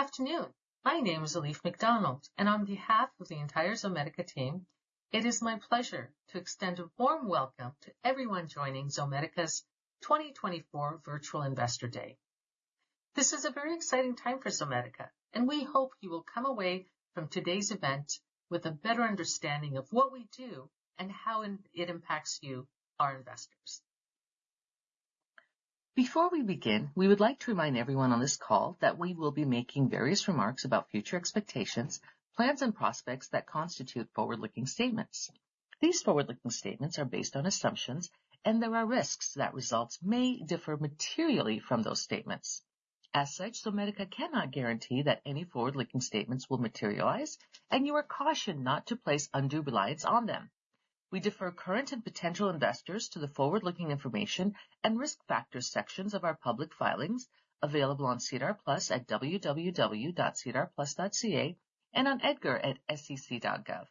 Good afternoon. My name is Elif McDonald, and on behalf of the entire Zomedica team, it is my pleasure to extend a warm welcome to everyone joining Zomedica's 2024 Virtual Investor Day. This is a very exciting time for Zomedica, and we hope you will come away from today's event with a better understanding of what we do and how it, it impacts you, our investors. Before we begin, we would like to remind everyone on this call that we will be making various remarks about future expectations, plans, and prospects that constitute forward-looking statements. These forward-looking statements are based on assumptions, and there are risks that results may differ materially from those statements. As such, Zomedica cannot guarantee that any forward-looking statements will materialize, and you are cautioned not to place undue reliance on them. We defer current and potential investors to the forward-looking information and risk factors sections of our public filings, available on SEDAR+ at www.sedarplus.ca and on EDGAR at sec.gov.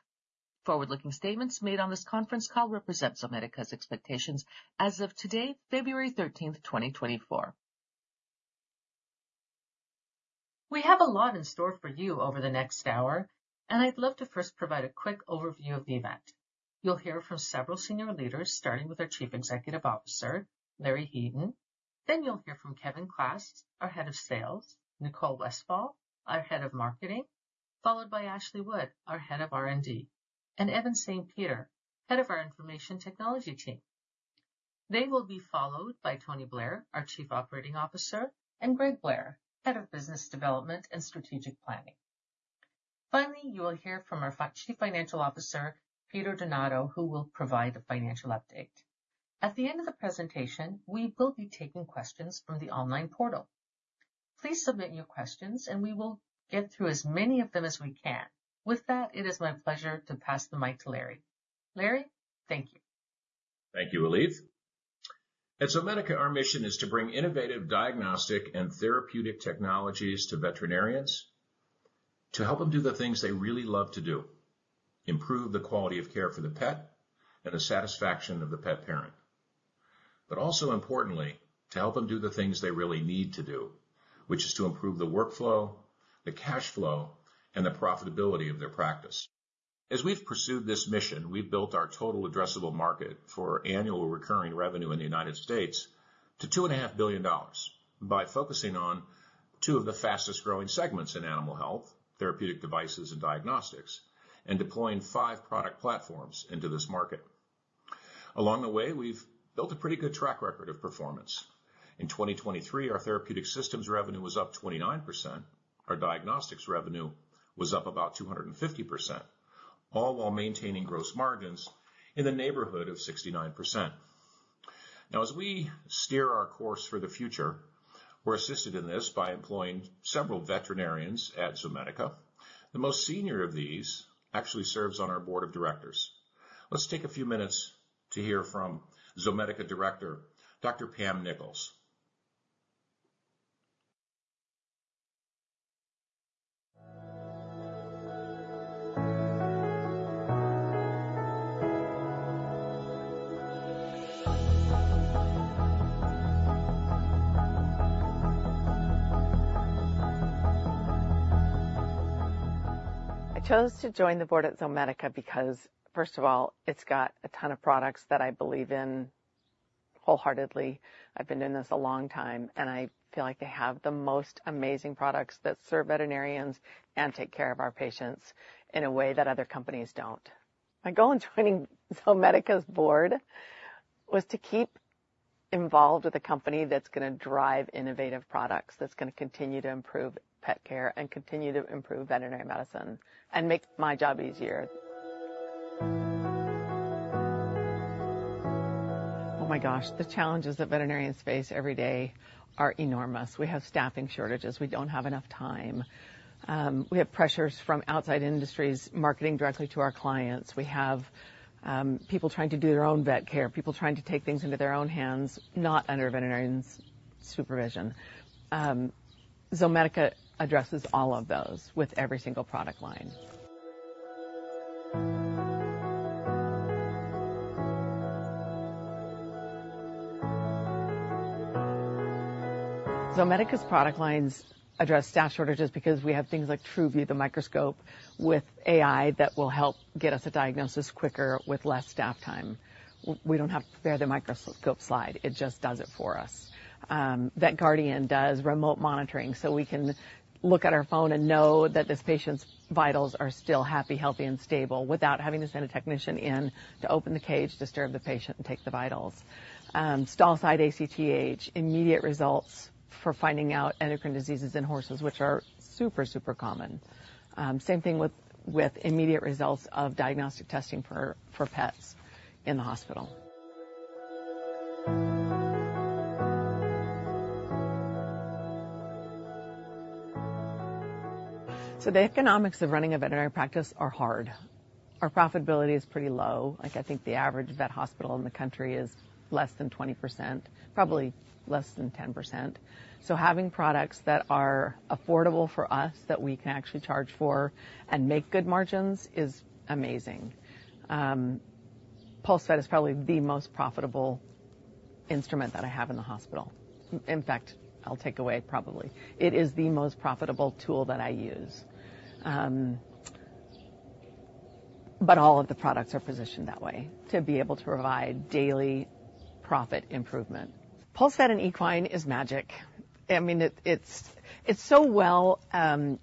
Forward-looking statements made on this conference call represent Zomedica's expectations as of today, February thirteenth, twenty twenty-four. We have a lot in store for you over the next hour, and I'd love to first provide a quick overview of the event. You'll hear from several senior leaders, starting with our Chief Executive Officer, Larry Heaton. Then you'll hear from Kevin Klass, our head of sales, Nicole Westfall, our head of marketing, followed by Ashley Wood, our head of R&D, and Evan St. Peter, head of our information technology team. They will be followed by Tony Blair, our Chief Operating Officer, and Greg Blair, head of business development and strategic planning. Finally, you will hear from our fi... Chief Financial Officer, Peter Donato, who will provide a financial update. At the end of the presentation, we will be taking questions from the online portal. Please submit your questions, and we will get through as many of them as we can. With that, it is my pleasure to pass the mic to Larry. Larry, thank you. Thank you, Elif. At Zomedica, our mission is to bring innovative diagnostic and therapeutic technologies to veterinarians to help them do the things they really love to do, improve the quality of care for the pet and the satisfaction of the pet parent, but also importantly, to help them do the things they really need to do, which is to improve the workflow, the cash flow, and the profitability of their practice. As we've pursued this mission, we've built our total addressable market for annual recurring revenue in the United States to $2.5 billion by focusing on two of the fastest-growing segments in animal health, therapeutic devices and diagnostics, and deploying five product platforms into this market. Along the way, we've built a pretty good track record of performance. In 2023, our therapeutic systems revenue was up 29%. Our diagnostics revenue was up about 250%, all while maintaining gross margins in the neighborhood of 69%. Now, as we steer our course for the future, we're assisted in this by employing several veterinarians at Zomedica. The most senior of these actually serves on our board of directors. Let's take a few minutes to hear from Zomedica director, Dr. Pam Nichols. I chose to join the board at Zomedica because, first of all, it's got a ton of products that I believe in wholeheartedly. I've been in this a long time, and I feel like they have the most amazing products that serve veterinarians and take care of our patients in a way that other companies don't. My goal in joining Zomedica's board was to keep involved with a company that's going to drive innovative products, that's going to continue to improve pet care and continue to improve veterinary medicine and make my job easier. Oh, my gosh, the challenges that veterinarians face every day are enormous. We have staffing shortages. We don't have enough time. We have pressures from outside industries marketing directly to our clients. We have people trying to do their own vet care, people trying to take things into their own hands, not under a veterinarian's supervision. Zomedica addresses all of those with every single product line. Zomedica's product lines address staff shortages because we have things like TRUVIEW, the microscope with AI that will help get us a diagnosis quicker with less staff time. We don't have to prepare the microscope slide. It just does it for us. VETGuardian does remote monitoring, so we can look at our phone and know that this patient's vitals are still happy, healthy, and stable without having to send a technician in to open the cage, disturb the patient, and take the vitals. Stall-side ACTH, immediate results for finding out endocrine diseases in horses, which are super, super common. Same thing with immediate results of diagnostic testing for pets in the hospital. So the economics of running a veterinary practice are hard. Our profitability is pretty low. Like, I think the average vet hospital in the country is less than 20%, probably less than 10%. So having products that are affordable for us, that we can actually charge for and make good margins, is amazing. PulseVet is probably the most profitable instrument that I have in the hospital. In fact, I'll take away probably. It is the most profitable tool that I use. But all of the products are positioned that way, to be able to provide daily profit improvement. PulseVet in equine is magic. I mean, it's so well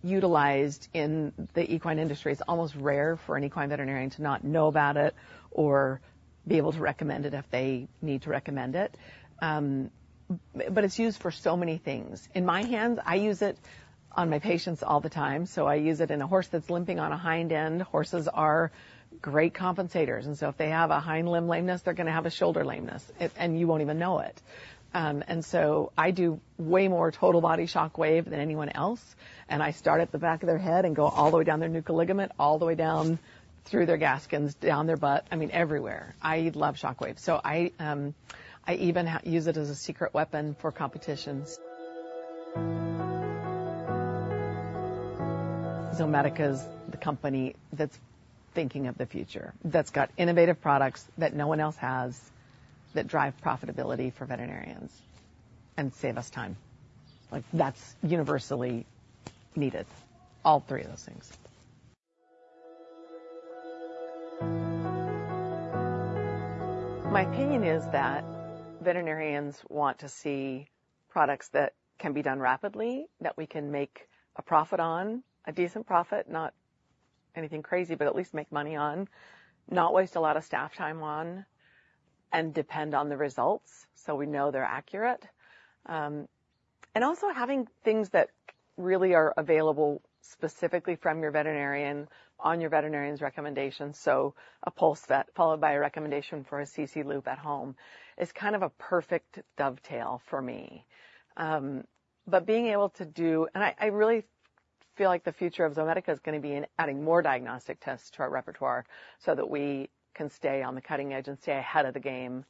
utilized in the equine industry. It's almost rare for an equine veterinarian to not know about it or be able to recommend it if they need to recommend it. But it's used for so many things. In my hands, I use it on my patients all the time. So I use it in a horse that's limping on a hind end. Horses are great compensators, and so if they have a hind limb lameness, they're gonna have a shoulder lameness, and you won't even know it. And so I do way more total body shockwave than anyone else, and I start at the back of their head and go all the way down their nuchal ligament, all the way down through their gaskin, down their butt, I mean, everywhere. I love shockwave, so I even use it as a secret weapon for competitions. Zomedica's the company that's thinking of the future, that's got innovative products that no one else has, that drive profitability for veterinarians and save us time. Like, that's universally needed, all three of those things. My opinion is that veterinarians want to see products that can be done rapidly, that we can make a profit on, a decent profit, not anything crazy, but at least make money on, not waste a lot of staff time on, and depend on the results, so we know they're accurate. And also having things that really are available specifically from your veterinarian on your veterinarian's recommendation. So a PulseVet followed by a recommendation for an Assisi Loop at home is kind of a perfect dovetail for me. But being able to do... And I, I really feel like the future of Zomedica is gonna be in adding more diagnostic tests to our repertoire, so that we can stay on the cutting edge and stay ahead of the game,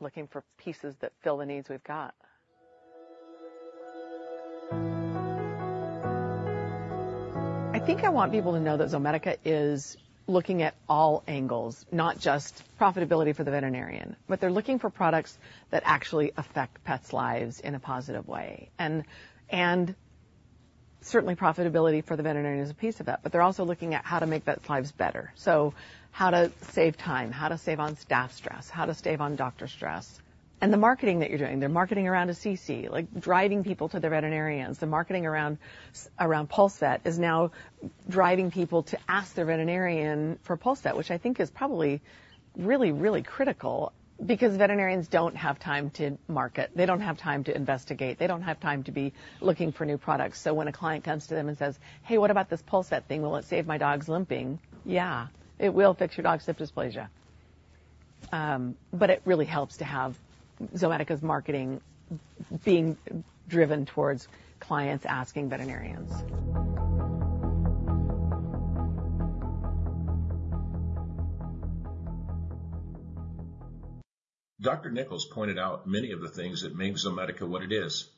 looking for pieces that fill the needs we've got. I think I want people to know that Zomedica is looking at all angles, not just profitability for the veterinarian, but they're looking for products that actually affect pets' lives in a positive way. And, and certainly profitability for the veterinarian is a piece of that, but they're also looking at how to make vets' lives better. So how to save time, how to save on staff stress, how to save on doctor stress. And the marketing that you're doing, they're marketing around Assisi, like driving people to their veterinarians. The marketing around PulseVet is now driving people to ask their veterinarian for PulseVet, which I think is probably really, really critical because veterinarians don't have time to market. They don't have time to investigate. They don't have time to be looking for new products. So when a client comes to them and says, "Hey, what about this PulseVet thing? Will it save my dog's limping?" Yeah, it will fix your dog's hip dysplasia. But it really helps to have Zomedica's marketing being driven towards clients asking veterinarians. Dr. Nichols pointed out many of the things that make Zomedica what it is.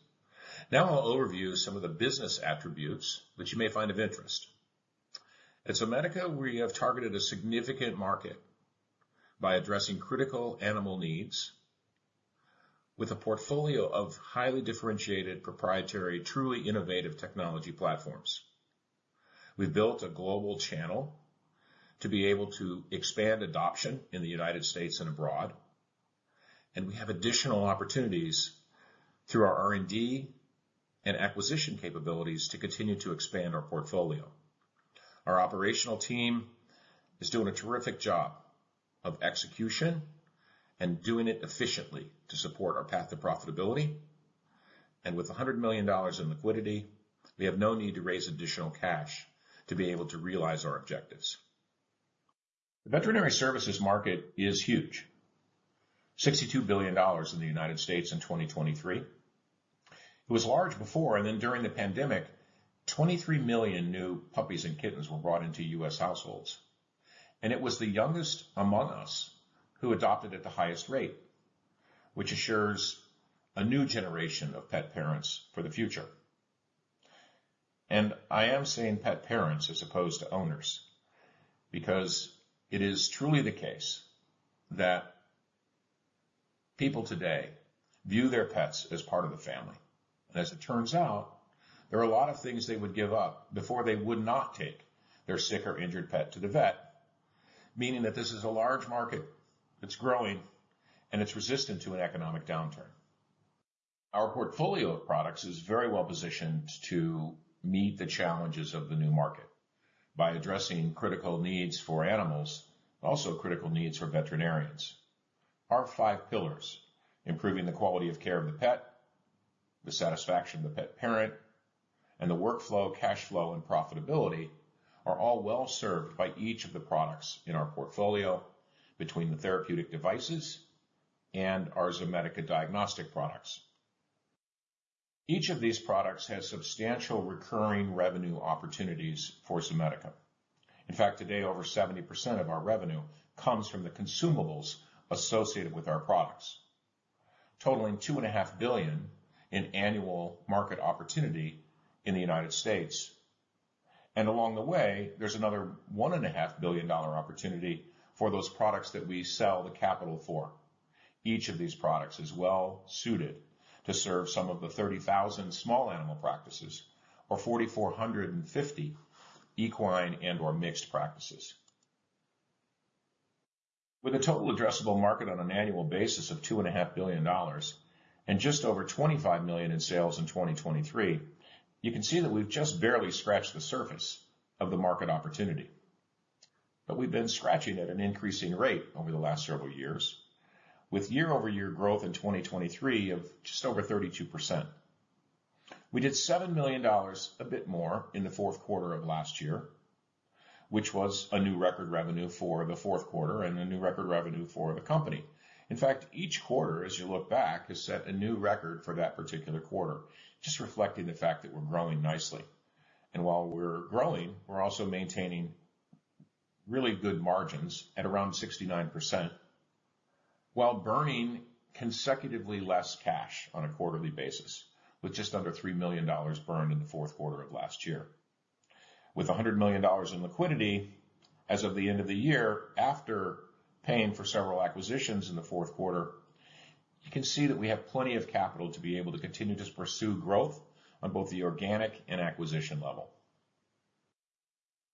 Now I'll overview some of the business attributes which you may find of interest. At Zomedica, we have targeted a significant market by addressing critical animal needs with a portfolio of highly differentiated, proprietary, truly innovative technology platforms. We've built a global channel to be able to expand adoption in the United States and abroad, and we have additional opportunities through our R&D and acquisition capabilities to continue to expand our portfolio. Our operational team is doing a terrific job of execution and doing it efficiently to support our path to profitability. With $100 million in liquidity, we have no need to raise additional cash to be able to realize our objectives. The veterinary services market is huge: $62 billion in the United States in 2023. It was large before, and then during the pandemic, 23 million new puppies and kittens were brought into US households, and it was the youngest among us who adopted at the highest rate, which assures a new generation of pet parents for the future. And I am saying pet parents as opposed to owners, because it is truly the case that people today view their pets as part of the family. And as it turns out, there are a lot of things they would give up before they would not take their sick or injured pet to the vet, meaning that this is a large market that's growing, and it's resistant to an economic downturn. Our portfolio of products is very well positioned to meet the challenges of the new market by addressing critical needs for animals, but also critical needs for veterinarians. Our five pillars: improving the quality of care of the pet, the satisfaction of the pet parent, and the workflow, cash flow, and profitability, are all well served by each of the products in our portfolio between the therapeutic devices and our Zomedica diagnostic products. Each of these products has substantial recurring revenue opportunities for Zomedica. In fact, today, over 70% of our revenue comes from the consumables associated with our products, totaling $2.5 billion in annual market opportunity in the United States. And along the way, there's another $1.5 billion opportunity for those products that we sell the capital for. Each of these products is well-suited to serve some of the 30,000 small animal practices or 4,450 equine and/or mixed practices. With a total addressable market on an annual basis of $2.5 billion and just over $25 million in sales in 2023, you can see that we've just barely scratched the surface of the market opportunity. But we've been scratching at an increasing rate over the last several years, with year-over-year growth in 2023 of just over 32%. We did $7 million a bit more in the fourth quarter of last year, which was a new record revenue for the fourth quarter and a new record revenue for the company. In fact, each quarter, as you look back, has set a new record for that particular quarter, just reflecting the fact that we're growing nicely. While we're growing, we're also maintaining really good margins at around 69%, while burning consecutively less cash on a quarterly basis, with just under $3 million burned in the fourth quarter of last year. With $100 million in liquidity as of the end of the year, after paying for several acquisitions in the fourth quarter, you can see that we have plenty of capital to be able to continue to pursue growth on both the organic and acquisition level.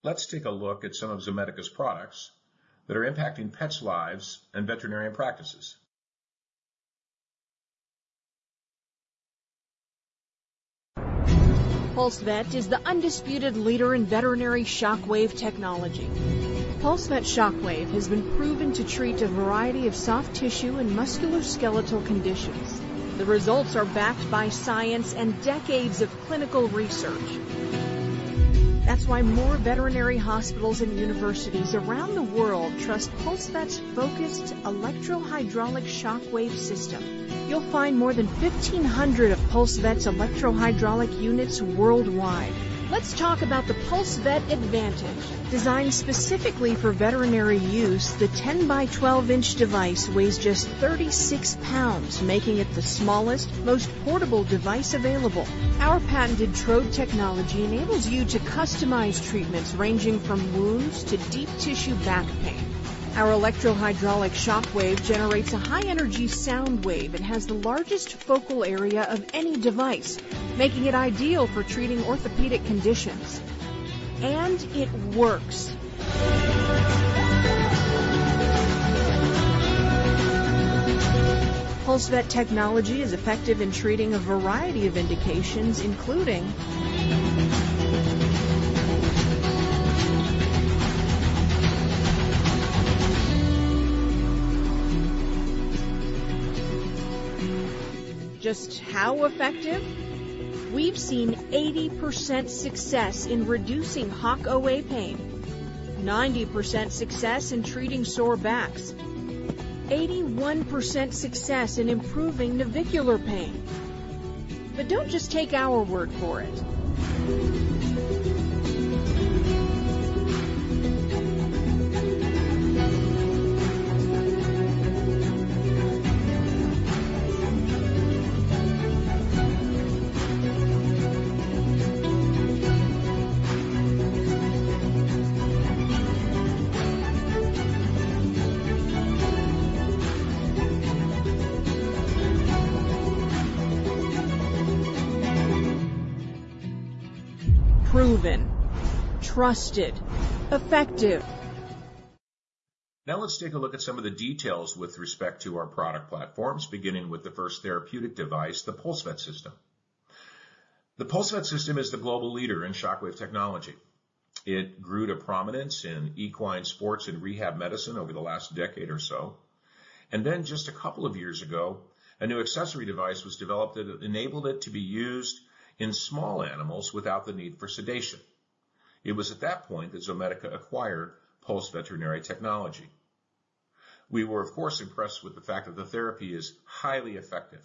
Let's take a look at some of Zomedica's products that are impacting pets' lives and veterinary practices. PulseVet is the undisputed leader in veterinary shockwave technology. PulseVet Shockwave has been proven to treat a variety of soft tissue and musculoskeletal conditions. The results are backed by science and decades of clinical research. That's why more veterinary hospitals and universities around the world trust PulseVet's focused electrohydraulic shockwave system. You'll find more than 1,500 of PulseVet's electrohydraulic units worldwide. Let's talk about the PulseVet advantage. Designed specifically for veterinary use, the 10-by-12-inch device weighs just 36 pounds, making it the smallest, most portable device available. Our patented Trode technology enables you to customize treatments ranging from wounds to deep tissue back pain. Our electrohydraulic shockwave generates a high-energy sound wave and has the largest focal area of any device, making it ideal for treating orthopedic conditions. And it works! PulseVet technology is effective in treating a variety of indications, including... Just how effective? We've seen 80% success in reducing hock OA pain, 90% success in treating sore backs, 81% success in improving navicular pain. But don't just take our word for it. Proven, trusted, effective. Now, let's take a look at some of the details with respect to our product platforms, beginning with the first therapeutic device, the PulseVet system. The PulseVet system is the global leader in shockwave technology. It grew to prominence in equine sports and rehab medicine over the last decade or so, and then just a couple of years ago, a new accessory device was developed that enabled it to be used in small animals without the need for sedation. It was at that point that Zomedica acquired Pulse Veterinary Technologies. We were, of course, impressed with the fact that the therapy is highly effective.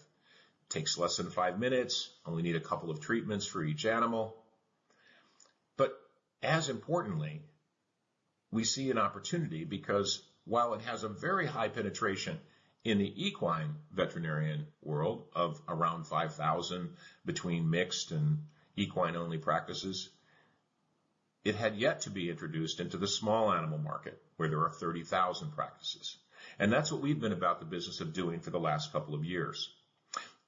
Takes less than five minutes. Only need a couple of treatments for each animal. But as importantly, we see an opportunity because while it has a very high penetration in the equine veterinarian world of around 5,000, between mixed and equine-only practices, it had yet to be introduced into the small animal market, where there are 30,000 practices. And that's what we've been about the business of doing for the last couple of years.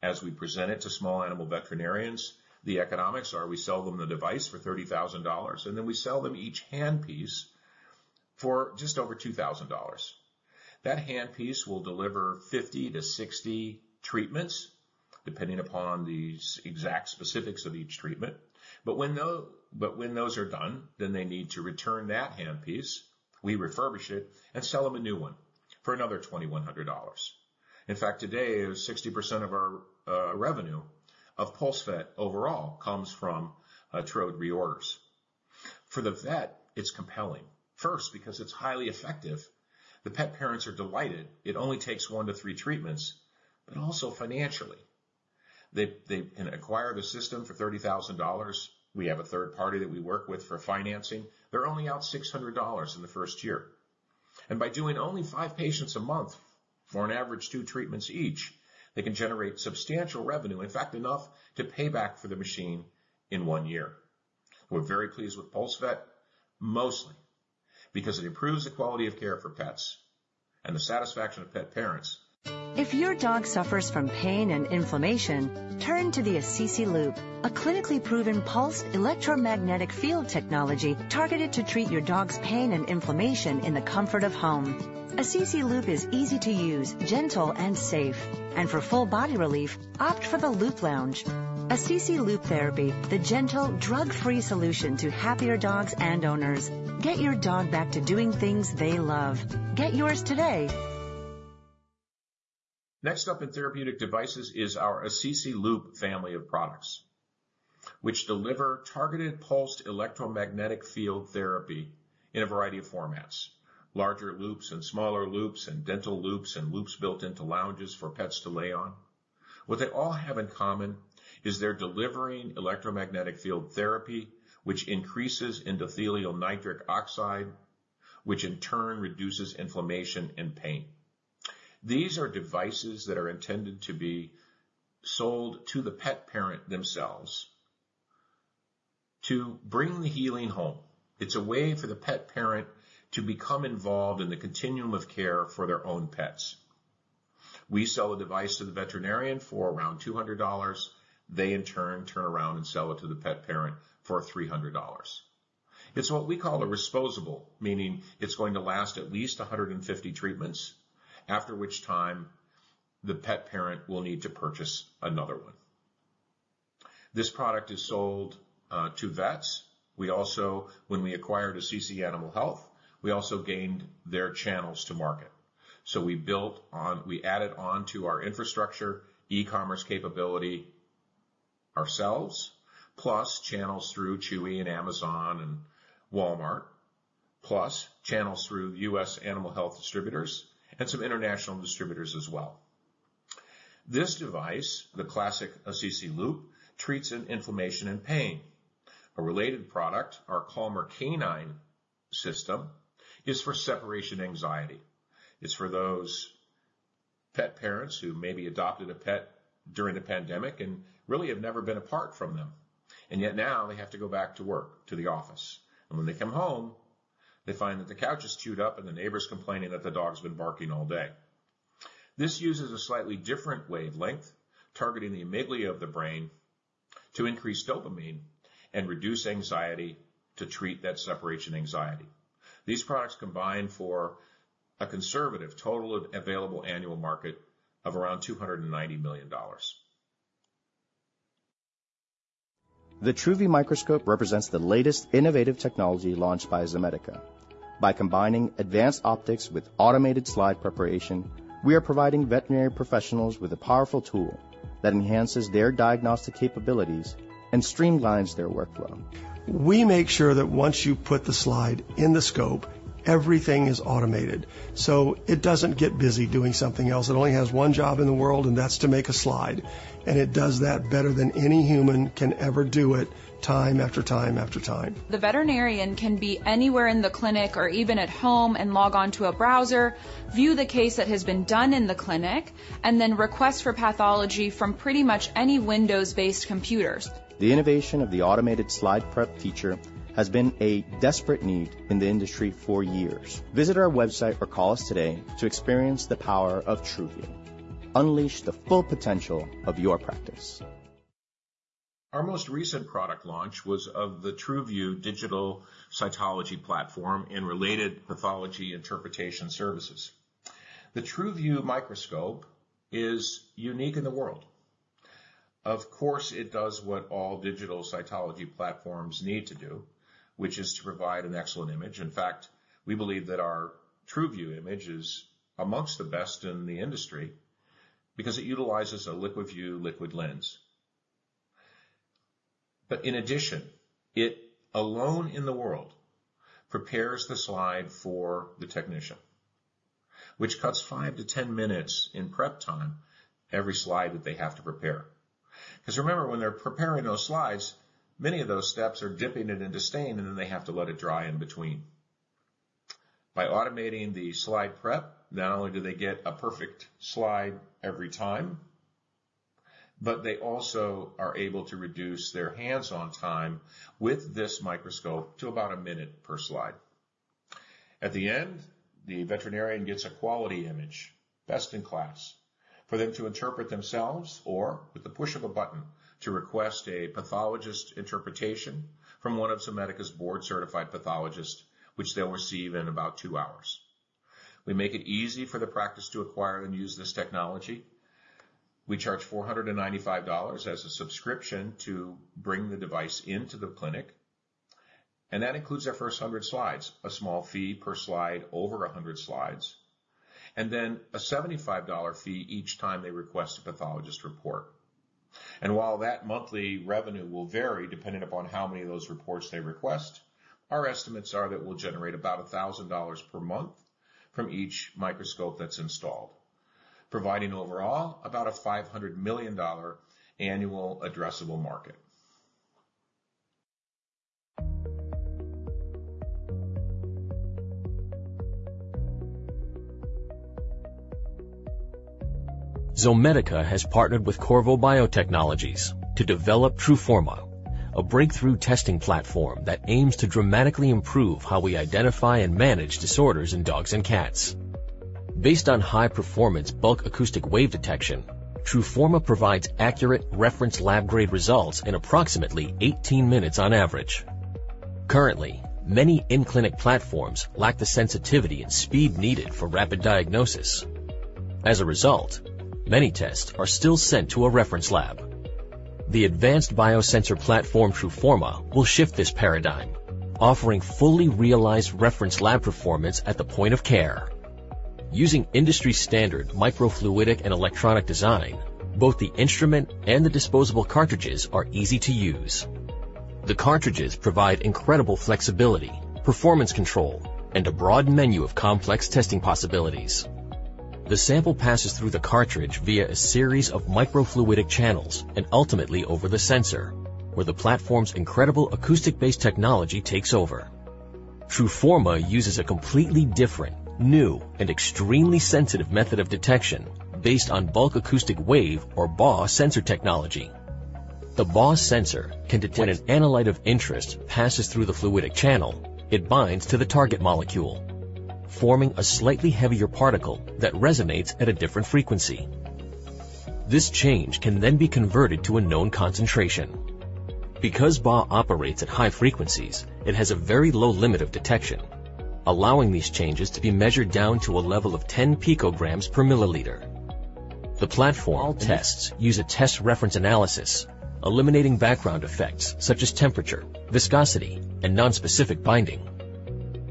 As we present it to small animal veterinarians, the economics are we sell them the device for $30,000, and then we sell them each handpiece for just over $2,000. That handpiece will deliver 50-60 treatments, depending upon the exact specifics of each treatment. But when those are done, then they need to return that handpiece. We refurbish it and sell them a new one for another $2,100. In fact, today, 60% of our revenue of PulseVet overall comes from Trode reorders. For the vet, it's compelling. First, because it's highly effective, the pet parents are delighted. It only takes 1-3 treatments, but also financially. They can acquire the system for $30,000. We have a third party that we work with for financing. They're only out $600 in the first year. And by doing only five patients a month, for an average two treatments each, they can generate substantial revenue, in fact, enough to pay back for the machine in one year. We're very pleased with PulseVet, mostly because it improves the quality of care for pets and the satisfaction of pet parents. If your dog suffers from pain and inflammation, turn to the Assisi Loop, a clinically proven pulsed electromagnetic field technology targeted to treat your dog's pain and inflammation in the comfort of home. Assisi Loop is easy to use, gentle, and safe, and for full body relief, opt for the Loop Lounge. Assisi Loop Therapy, the gentle, drug-free solution to happier dogs and owners. Get your dog back to doing things they love. Get yours today! Next up in therapeutic devices is our Assisi Loop family of products, which deliver targeted pulsed electromagnetic field therapy in a variety of formats: larger loops and smaller loops, and DentaLoops, and loops built into lounges for pets to lay on. What they all have in common is they're delivering electromagnetic field therapy, which increases endothelial nitric oxide, which in turn reduces inflammation and pain. These are devices that are intended to be sold to the pet parent themselves to bring the healing home. It's a way for the pet parent to become involved in the continuum of care for their own pets. We sell a device to the veterinarian for around $200. They, in turn, turn around and sell it to the pet parent for $300. It's what we call a resposable, meaning it's going to last at least 150 treatments, after which time the pet parent will need to purchase another one. This product is sold to vets. We also, when we acquired Assisi Animal Health, we also gained their channels to market. So we built on our infrastructure, e-commerce capability ourselves, plus channels through Chewy and Amazon and Walmart, plus channels through US animal health distributors and some international distributors as well. This device, the classic Assisi Loop, treats inflammation and pain. A related product, our Calmer Canine system, is for separation anxiety. It's for those pet parents who maybe adopted a pet during the pandemic and really have never been apart from them, and yet now they have to go back to work, to the office. When they come home, they find that the couch is chewed up and the neighbor's complaining that the dog's been barking all day. This uses a slightly different wavelength, targeting the amygdala of the brain to increase dopamine and reduce anxiety to treat that separation anxiety. These products combine for a conservative total of available annual market of around $290 million. The TRUVIEW Microscope represents the latest innovative technology launched by Zomedica. By combining advanced optics with automated slide preparation, we are providing veterinary professionals with a powerful tool that enhances their diagnostic capabilities and streamlines their workflow. We make sure that once you put the slide in the scope, everything is automated, so it doesn't get busy doing something else. It only has one job in the world, and that's to make a slide, and it does that better than any human can ever do it, time after time after time. The veterinarian can be anywhere in the clinic, or even at home, and log on to a browser, view the case that has been done in the clinic, and then request for pathology from pretty much any Windows-based computer. The innovation of the automated slide prep feature has been a desperate need in the industry for years. Visit our website or call us today to experience the power of TRUVIEW. Unleash the full potential of your practice. Our most recent product launch was of the TRUVIEW Digital Cytology Platform and related pathology interpretation services. The TRUVIEW microscope is unique in the world. Of course, it does what all digital cytology platforms need to do, which is to provide an excellent image. In fact, we believe that our TRUVIEW image is among the best in the industry because it utilizes a liquid view, liquid lens. But in addition, it alone in the world prepares the slide for the technician, which cuts 5-10 minutes in prep time, every slide that they have to prepare. Because remember, when they're preparing those slides, many of those steps are dipping it into stain, and then they have to let it dry in between. By automating the slide prep, not only do they get a perfect slide every time, but they also are able to reduce their hands-on time with this microscope to about a minute per slide. At the end, the veterinarian gets a quality image, best in class, for them to interpret themselves or with the push of a button, to request a pathologist interpretation from one of Zomedica's board-certified pathologists, which they'll receive in about two hours. We make it easy for the practice to acquire and use this technology. We charge $495 as a subscription to bring the device into the clinic, and that includes their first 100 slides, a small fee per slide over 100 slides, and then a $75 fee each time they request a pathologist report. And while that monthly revenue will vary depending upon how many of those reports they request, our estimates are that we'll generate about $1,000 per month from each microscope that's installed, providing overall about a $500 million annual addressable market. Zomedica has partnered with Qorvo Biotechnologies to develop TRUFORMA, a breakthrough testing platform that aims to dramatically improve how we identify and manage disorders in dogs and cats. Based on high-performance bulk acoustic wave detection, TRUFORMA provides accurate reference lab grade results in approximately 18 minutes on average. Currently, many in-clinic platforms lack the sensitivity and speed needed for rapid diagnosis. As a result, many tests are still sent to a reference lab. The advanced biosensor platform, TRUFORMA, will shift this paradigm, offering fully realized reference lab performance at the point of care. Using industry standard microfluidic and electronic design, both the instrument and the disposable cartridges are easy to use. The cartridges provide incredible flexibility, performance control, and a broad menu of complex testing possibilities. The sample passes through the cartridge via a series of microfluidic channels and ultimately over the sensor, where the platform's incredible acoustic-based technology takes over. TRUFORMA uses a completely different, new, and extremely sensitive method of detection based on Bulk Acoustic Wave, or BAW sensor technology. The BAW sensor can detect... When an analyte of interest passes through the fluidic channel, it binds to the target molecule, forming a slightly heavier particle that resonates at a different frequency. This change can then be converted to a known concentration. Because BAW operates at high frequencies, it has a very low limit of detection, allowing these changes to be measured down to a level of 10 picograms per milliliter. The platform tests use a test reference analysis, eliminating background effects such as temperature, viscosity, and nonspecific binding.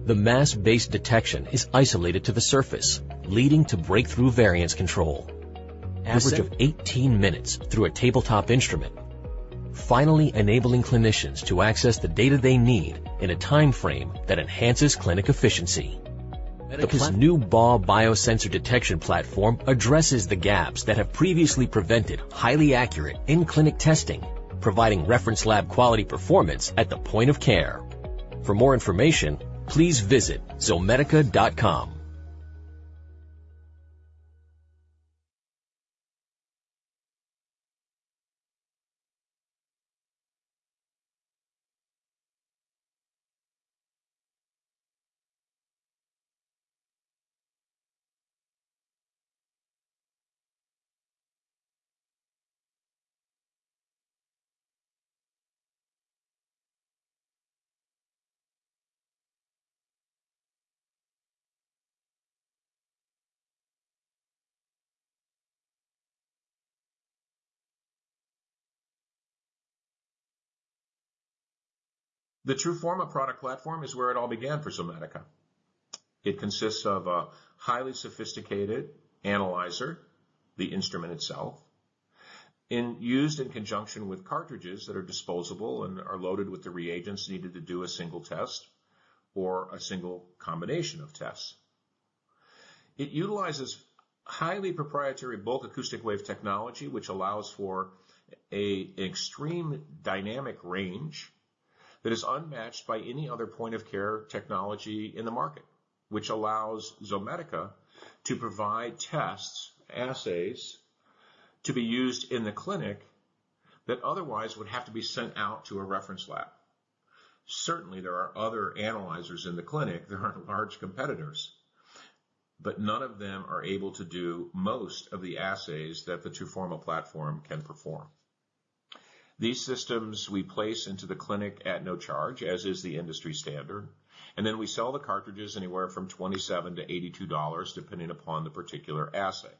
The mass-based detection is isolated to the surface, leading to breakthrough variance control. Average of 18 minutes through a tabletop instrument, finally enabling clinicians to access the data they need in a timeframe that enhances clinic efficiency. Zomedica's new BAW biosensor detection platform addresses the gaps that have previously prevented highly accurate in-clinic testing, providing reference lab quality performance at the point of care. For more information, please visit zomedica.com. The TRUFORMA product platform is where it all began for Zomedica. It consists of a highly sophisticated analyzer, the instrument itself, and used in conjunction with cartridges that are disposable and are loaded with the reagents needed to do a single test or a single combination of tests. It utilizes highly proprietary bulk acoustic wave technology, which allows for an extreme dynamic range that is unmatched by any other point-of-care technology in the market, which allows Zomedica to provide tests, assays, to be used in the clinic that otherwise would have to be sent out to a reference lab. Certainly, there are other analyzers in the clinic that are large competitors, but none of them are able to do most of the assays that the TRUFORMA platform can perform. These systems we place into the clinic at no charge, as is the industry standard, and then we sell the cartridges anywhere from $27-$82, depending upon the particular assay.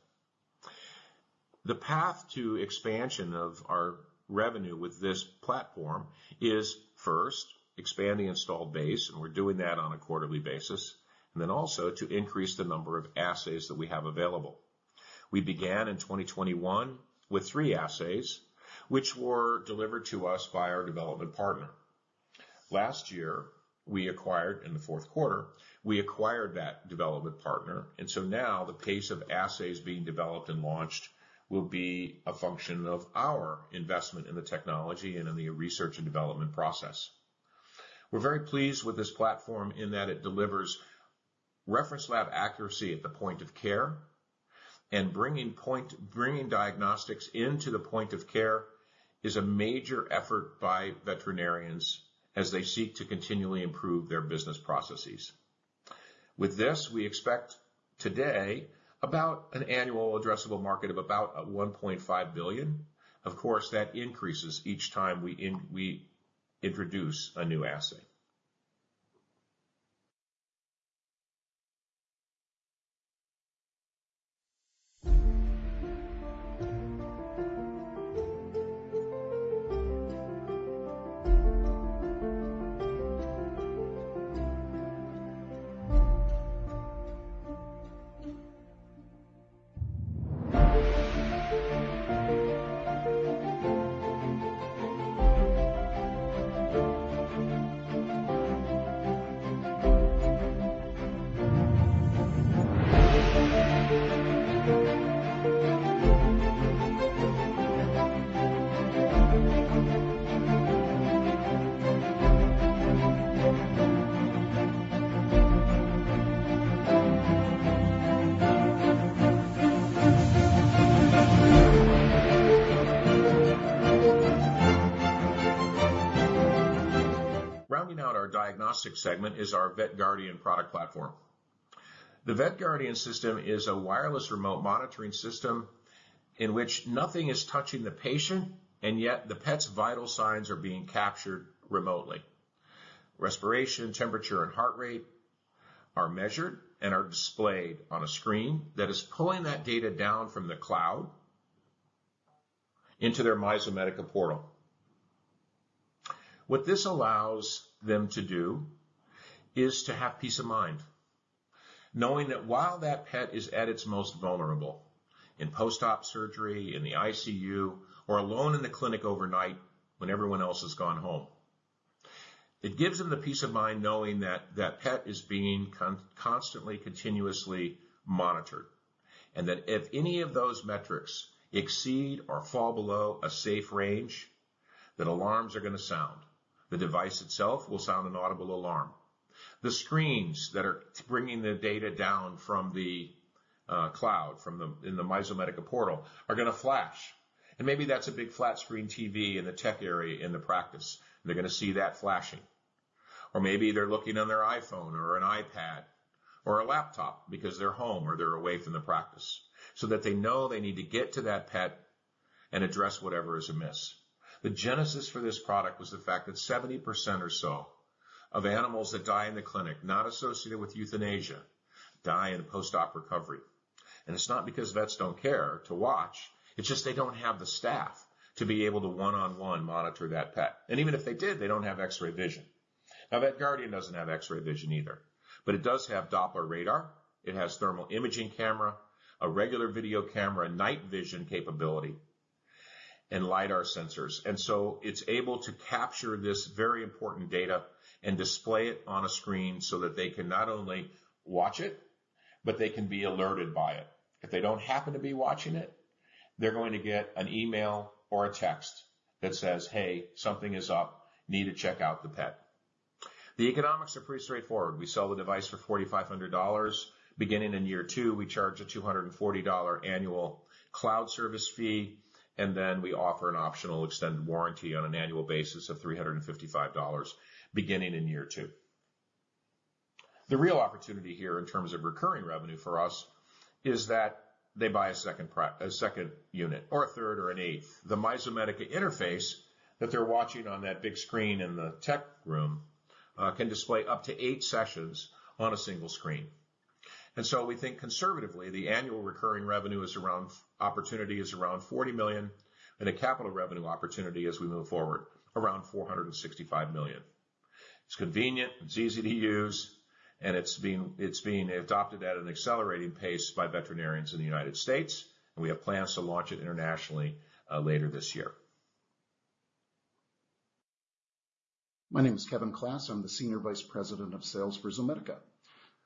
The path to expansion of our revenue with this platform is, first, expand the installed base, and we're doing that on a quarterly basis, and then also to increase the number of assays that we have available. We began in 2021 with three assays, which were delivered to us by our development partner. Last year, we acquired, in the fourth quarter, we acquired that development partner, and so now the pace of assays being developed and launched will be a function of our investment in the technology and in the research and development process. We're very pleased with this platform in that it delivers reference lab accuracy at the point of care, and bringing diagnostics into the point of care is a major effort by veterinarians as they seek to continually improve their business processes. With this, we expect today about an annual addressable market of about $1.5 billion. Of course, that increases each time we introduce a new assay. ... Rounding out our diagnostic segment is our VETGuardian product platform. The VETGuardian system is a wireless remote monitoring system in which nothing is touching the patient, and yet the pet's vital signs are being captured remotely. Respiration, temperature, and heart rate are measured and are displayed on a screen that is pulling that data down from the cloud into their myZomedica portal. What this allows them to do is to have peace of mind, knowing that while that pet is at its most vulnerable, in post-op surgery, in the ICU, or alone in the clinic overnight, when everyone else has gone home, it gives them the peace of mind knowing that that pet is being constantly, continuously monitored, and that if any of those metrics exceed or fall below a safe range, that alarms are going to sound. The device itself will sound an audible alarm. The screens that are bringing the data down from the cloud, from the in the myZomedica portal, are going to flash, and maybe that's a big flat screen TV in the tech area in the practice. They're going to see that flashing. Or maybe they're looking on their iPhone or an iPad or a laptop because they're home or they're away from the practice, so that they know they need to get to that pet and address whatever is amiss. The genesis for this product was the fact that 70% or so of animals that die in the clinic, not associated with euthanasia, die in post-op recovery. And it's not because vets don't care to watch, it's just they don't have the staff to be able to one-on-one monitor that pet. And even if they did, they don't have X-ray vision. Now, VETGuardian doesn't have X-ray vision either, but it does have Doppler radar. It has thermal imaging camera, a regular video camera, night vision capability, and LiDAR sensors. It's able to capture this very important data and display it on a screen so that they can not only watch it, but they can be alerted by it. If they don't happen to be watching it, they're going to get an email or a text that says, "Hey, something is up. Need to check out the pet." The economics are pretty straightforward. We sell the device for $4,500. Beginning in year two, we charge a $240 annual cloud service fee, and then we offer an optional extended warranty on an annual basis of $355 beginning in year two. The real opportunity here in terms of recurring revenue for us is that they buy a second unit or a third or an eighth. The myZomedica interface that they're watching on that big screen in the tech room can display up to eight sessions on a single screen. And so we think conservatively, the annual recurring revenue opportunity is around $40 million and a capital revenue opportunity as we move forward, around $465 million. It's convenient, it's easy to use, and it's being, it's being adopted at an accelerating pace by veterinarians in the United States, and we have plans to launch it internationally later this year. My name is Kevin Klass. I'm the Senior Vice President of Sales for Zomedica.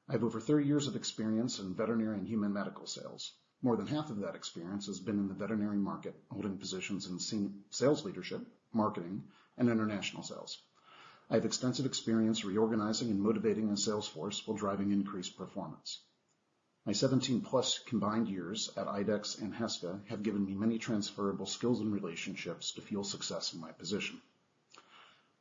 I have over 30 years of experience in veterinary and human medical sales. More than half of that experience has been in the veterinary market, holding positions in sales leadership, marketing, and international sales. I have extensive experience reorganizing and motivating the sales force while driving increased performance. My 17+ combined years at IDEXX and Heska have given me many transferable skills and relationships to fuel success in my position.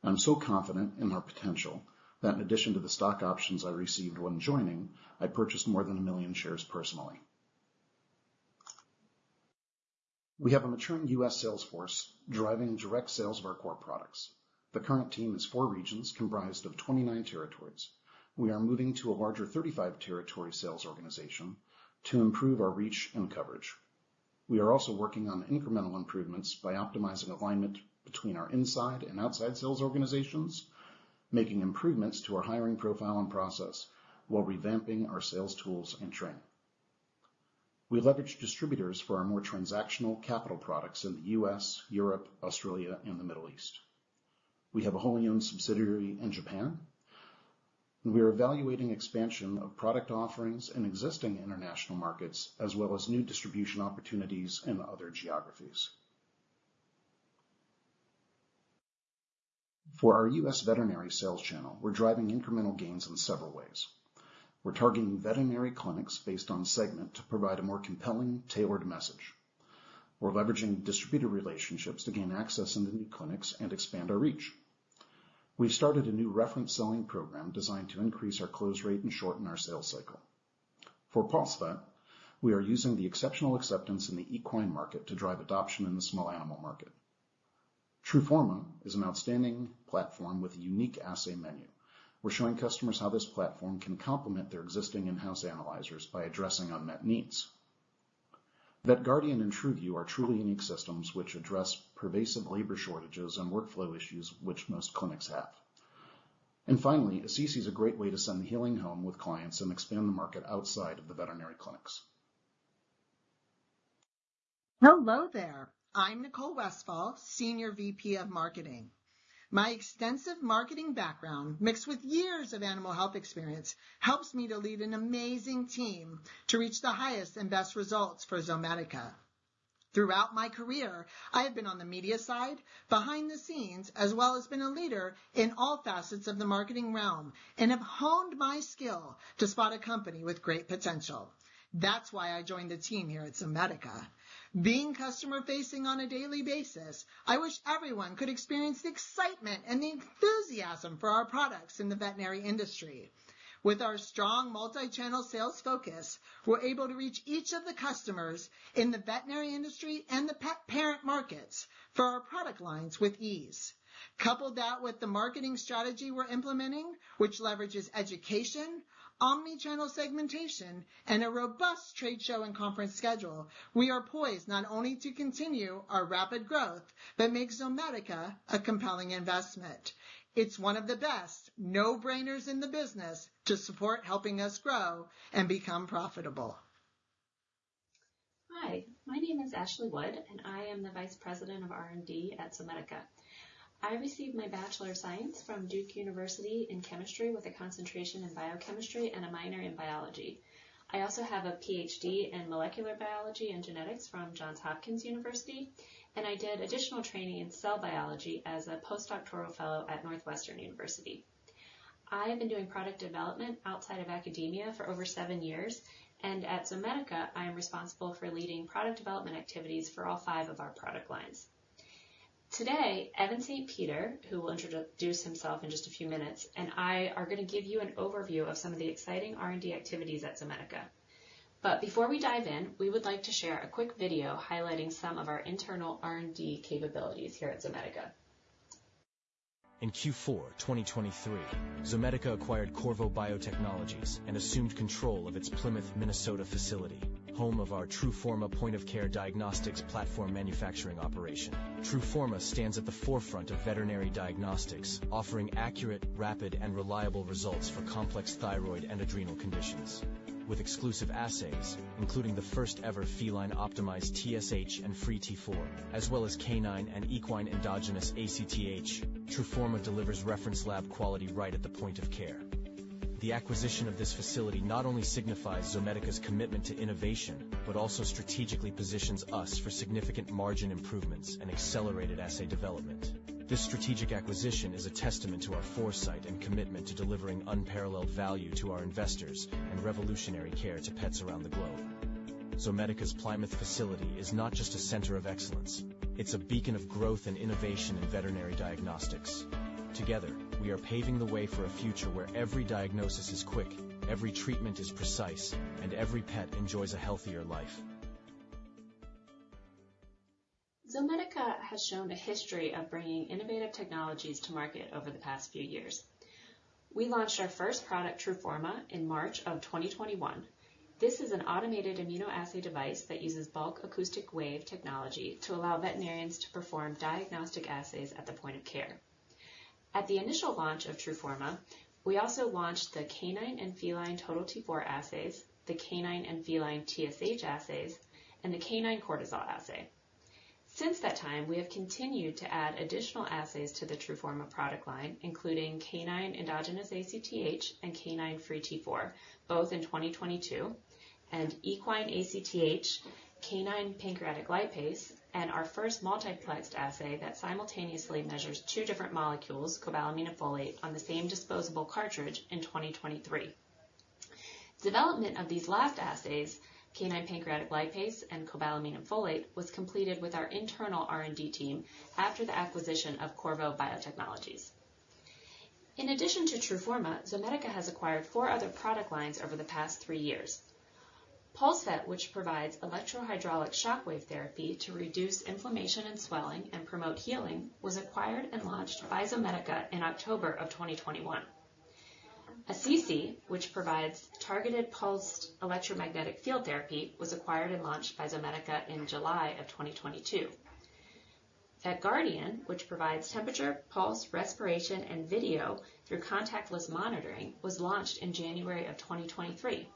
I'm so confident in our potential that in addition to the stock options I received when joining, I purchased more than 1 million shares personally. We have a maturing US sales force driving direct sales of our core products. The current team is four regions, comprised of 29 territories. We are moving to a larger 35 territory sales organization to improve our reach and coverage. We are also working on incremental improvements by optimizing alignment between our inside and outside sales organizations, making improvements to our hiring profile and process while revamping our sales tools and training. We leverage distributors for our more transactional capital products in the US, Europe, Australia, and the Middle East. We have a wholly owned subsidiary in Japan, and we are evaluating expansion of product offerings in existing international markets, as well as new distribution opportunities in other geographies. For our US veterinary sales channel, we're driving incremental gains in several ways. We're targeting veterinary clinics based on segment to provide a more compelling, tailored message. We're leveraging distributor relationships to gain access into new clinics and expand our reach. We've started a new reference selling program designed to increase our close rate and shorten our sales cycle. For PulseVet, we are using the exceptional acceptance in the equine market to drive adoption in the small animal market. TRUFORMA is an outstanding platform with a unique assay menu. We're showing customers how this platform can complement their existing in-house analyzers by addressing unmet needs. VETGuardian and TRUVIEW are truly unique systems which address pervasive labor shortages and workflow issues, which most clinics have. And finally, Assisi is a great way to send healing home with clients and expand the market outside of the veterinary clinics. Hello there. I'm Nicole Westfall, Senior VP of Marketing. My extensive marketing background, mixed with years of animal health experience, helps me to lead an amazing team to reach the highest and best results for Zomedica. Throughout my career, I have been on the media side, behind the scenes, as well as been a leader in all facets of the marketing realm, and have honed my skill to spot a company with great potential. That's why I joined the team here at Zomedica. Being customer-facing on a daily basis, I wish everyone could experience the excitement and the enthusiasm for our products in the veterinary industry. With our strong multi-channel sales focus, we're able to reach each of the customers in the veterinary industry and the pet parent markets for our product lines with ease. Couple that with the marketing strategy we're implementing, which leverages education, omni-channel segmentation, and a robust trade show and conference schedule. We are poised not only to continue our rapid growth, but make Zomedica a compelling investment. It's one of the best no-brainers in the business to support helping us grow and become profitable. Hi, my name is Ashley Wood, and I am the Vice President of R&D at Zomedica. I received my Bachelor of Science from Duke University in Chemistry, with a concentration in Biochemistry and a minor in Biology. I also have a PhD in Molecular Biology and Genetics from Johns Hopkins University, and I did additional training in cell biology as a postdoctoral fellow at Northwestern University. I have been doing product development outside of academia for over seven years, and at Zomedica, I am responsible for leading product development activities for all five of our product lines. Today, Evan St. Peter, who will introduce himself in just a few minutes, and I are going to give you an overview of some of the exciting R&D activities at Zomedica. Before we dive in, we would like to share a quick video highlighting some of our internal R&D capabilities here at Zomedica. In Q4 2023, Zomedica acquired Qorvo Biotechnologies and assumed control of its Plymouth, Minnesota facility, home of our TRUFORMA point-of-care diagnostics platform manufacturing operation. TRUFORMA stands at the forefront of veterinary diagnostics, offering accurate, rapid, and reliable results for complex thyroid and adrenal conditions. With exclusive assays, including the first-ever feline-optimized TSH and Free T4, as well as canine and equine endogenous ACTH, TRUFORMA delivers reference lab quality right at the point of care. The acquisition of this facility not only signifies Zomedica's commitment to innovation, but also strategically positions us for significant margin improvements and accelerated assay development. This strategic acquisition is a testament to our foresight and commitment to delivering unparalleled value to our investors and revolutionary care to pets around the globe. Zomedica's Plymouth facility is not just a center of excellence, it's a beacon of growth and innovation in veterinary diagnostics. Together, we are paving the way for a future where every diagnosis is quick, every treatment is precise, and every pet enjoys a healthier life. Zomedica has shown a history of bringing innovative technologies to market over the past few years. We launched our first product, TRUFORMA, in March 2021. This is an automated immunoassay device that uses bulk acoustic wave technology to allow veterinarians to perform diagnostic assays at the point-of-care. At the initial launch of TRUFORMA, we also launched the canine and feline Total T4 assays, the canine and feline TSH assays, and the canine cortisol assay. Since that time, we have continued to add additional assays to the TRUFORMA product line, including canine endogenous ACTH and canine Free T4, both in 2022, and equine ACTH, canine pancreatic lipase, and our first multiplexed assay that simultaneously measures two different molecules, cobalamin and folate, on the same disposable cartridge in 2023. Development of these last assays, canine pancreatic lipase and cobalamin and folate, was completed with our internal R&D team after the acquisition of Qorvo Biotechnologies. In addition to TRUFORMA, Zomedica has acquired four other product lines over the past three years. PulseVet, which provides electrohydraulic shockwave therapy to reduce inflammation and swelling and promote healing, was acquired and launched by Zomedica in October of 2021. Assisi, which provides targeted pulsed electromagnetic field therapy, was acquired and launched by Zomedica in July of 2022. VETGuardian, which provides temperature, pulse, respiration, and video through contactless monitoring, was launched in January of 2023.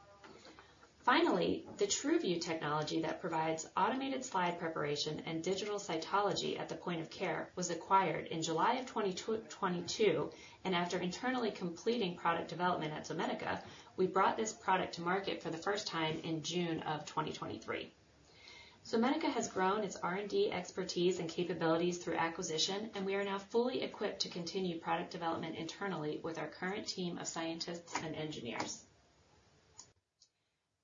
Finally, the TRUVIEW technology that provides automated slide preparation and digital cytology at the point of care was acquired in July 2022, and after internally completing product development at Zomedica, we brought this product to market for the first time in June 2023. Zomedica has grown its R&D expertise and capabilities through acquisition, and we are now fully equipped to continue product development internally with our current team of scientists and engineers.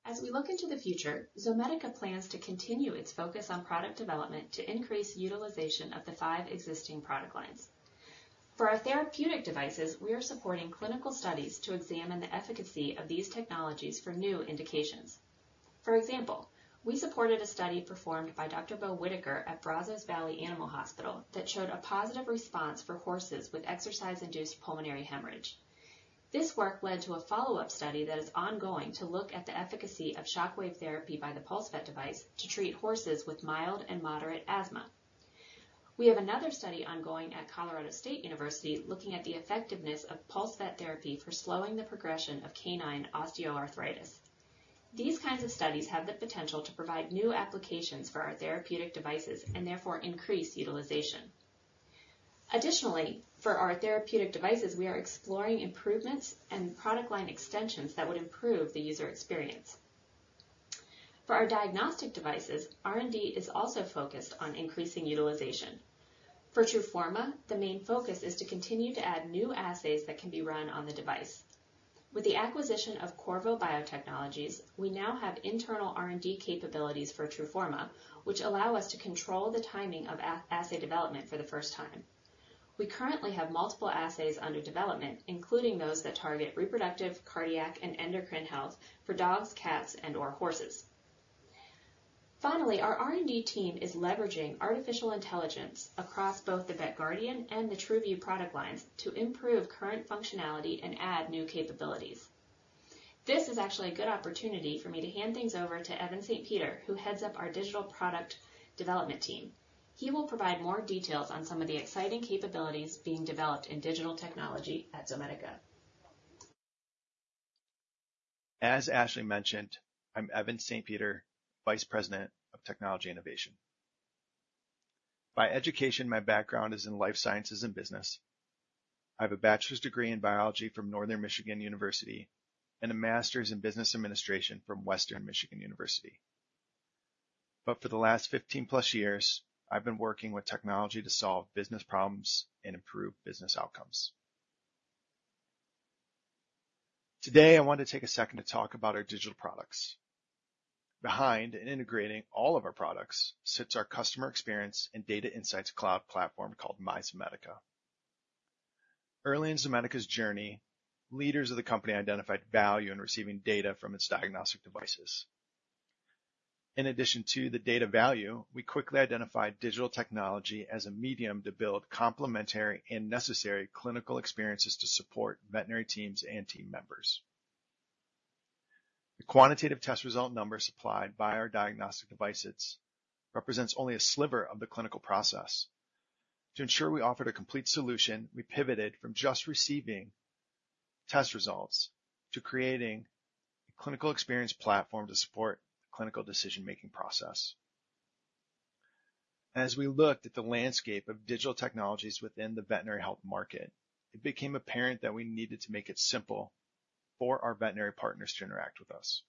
As we look into the future, Zomedica plans to continue its focus on product development to increase utilization of the five existing product lines. For our therapeutic devices, we are supporting clinical studies to examine the efficacy of these technologies for new indications. For example, we supported a study performed by Dr. Beau Whitaker at Brazos Valley Animal Hospital that showed a positive response for horses with exercise-induced pulmonary hemorrhage. This work led to a follow-up study that is ongoing to look at the efficacy of shockwave therapy by the PulseVet device to treat horses with mild and moderate asthma. We have another study ongoing at Colorado State University looking at the effectiveness of PulseVet therapy for slowing the progression of canine osteoarthritis. These kinds of studies have the potential to provide new applications for our therapeutic devices and therefore increase utilization. Additionally, for our therapeutic devices, we are exploring improvements and product line extensions that would improve the user experience. For our diagnostic devices, R&D is also focused on increasing utilization. For TRUFORMA, the main focus is to continue to add new assays that can be run on the device. With the acquisition of Qorvo Biotechnologies, we now have internal R&D capabilities for TRUFORMA, which allow us to control the timing of assay development for the first time. We currently have multiple assays under development, including those that target reproductive, cardiac, and endocrine health for dogs, cats, and/or horses. Finally, our R&D team is leveraging artificial intelligence across both the VETGuardian and the TRUVIEW product lines to improve current functionality and add new capabilities. This is actually a good opportunity for me to hand things over to Evan St. Peter, who heads up our digital product development team. He will provide more details on some of the exciting capabilities being developed in digital technology at Zomedica. As Ashley mentioned, I'm Evan St. Peter, Vice President of Technology Innovation. By education, my background is in life sciences and business. I have a bachelor's degree in biology from Northern Michigan University and a master's in business administration from Western Michigan University. But for the last 15+ years, I've been working with technology to solve business problems and improve business outcomes. Today, I want to take a second to talk about our digital products. Behind and integrating all of our products sits our customer experience and data insights cloud platform called myZomedica. Early in Zomedica's journey, leaders of the company identified value in receiving data from its diagnostic devices. In addition to the data value, we quickly identified digital technology as a medium to build complementary and necessary clinical experiences to support veterinary teams and team members. The quantitative test result numbers supplied by our diagnostic devices represents only a sliver of the clinical process. To ensure we offered a complete solution, we pivoted from just receiving test results to creating a clinical experience platform to support the clinical decision-making process. As we looked at the landscape of digital technologies within the veterinary health market, it became apparent that we needed to make it simple for our veterinary partners to interact with us.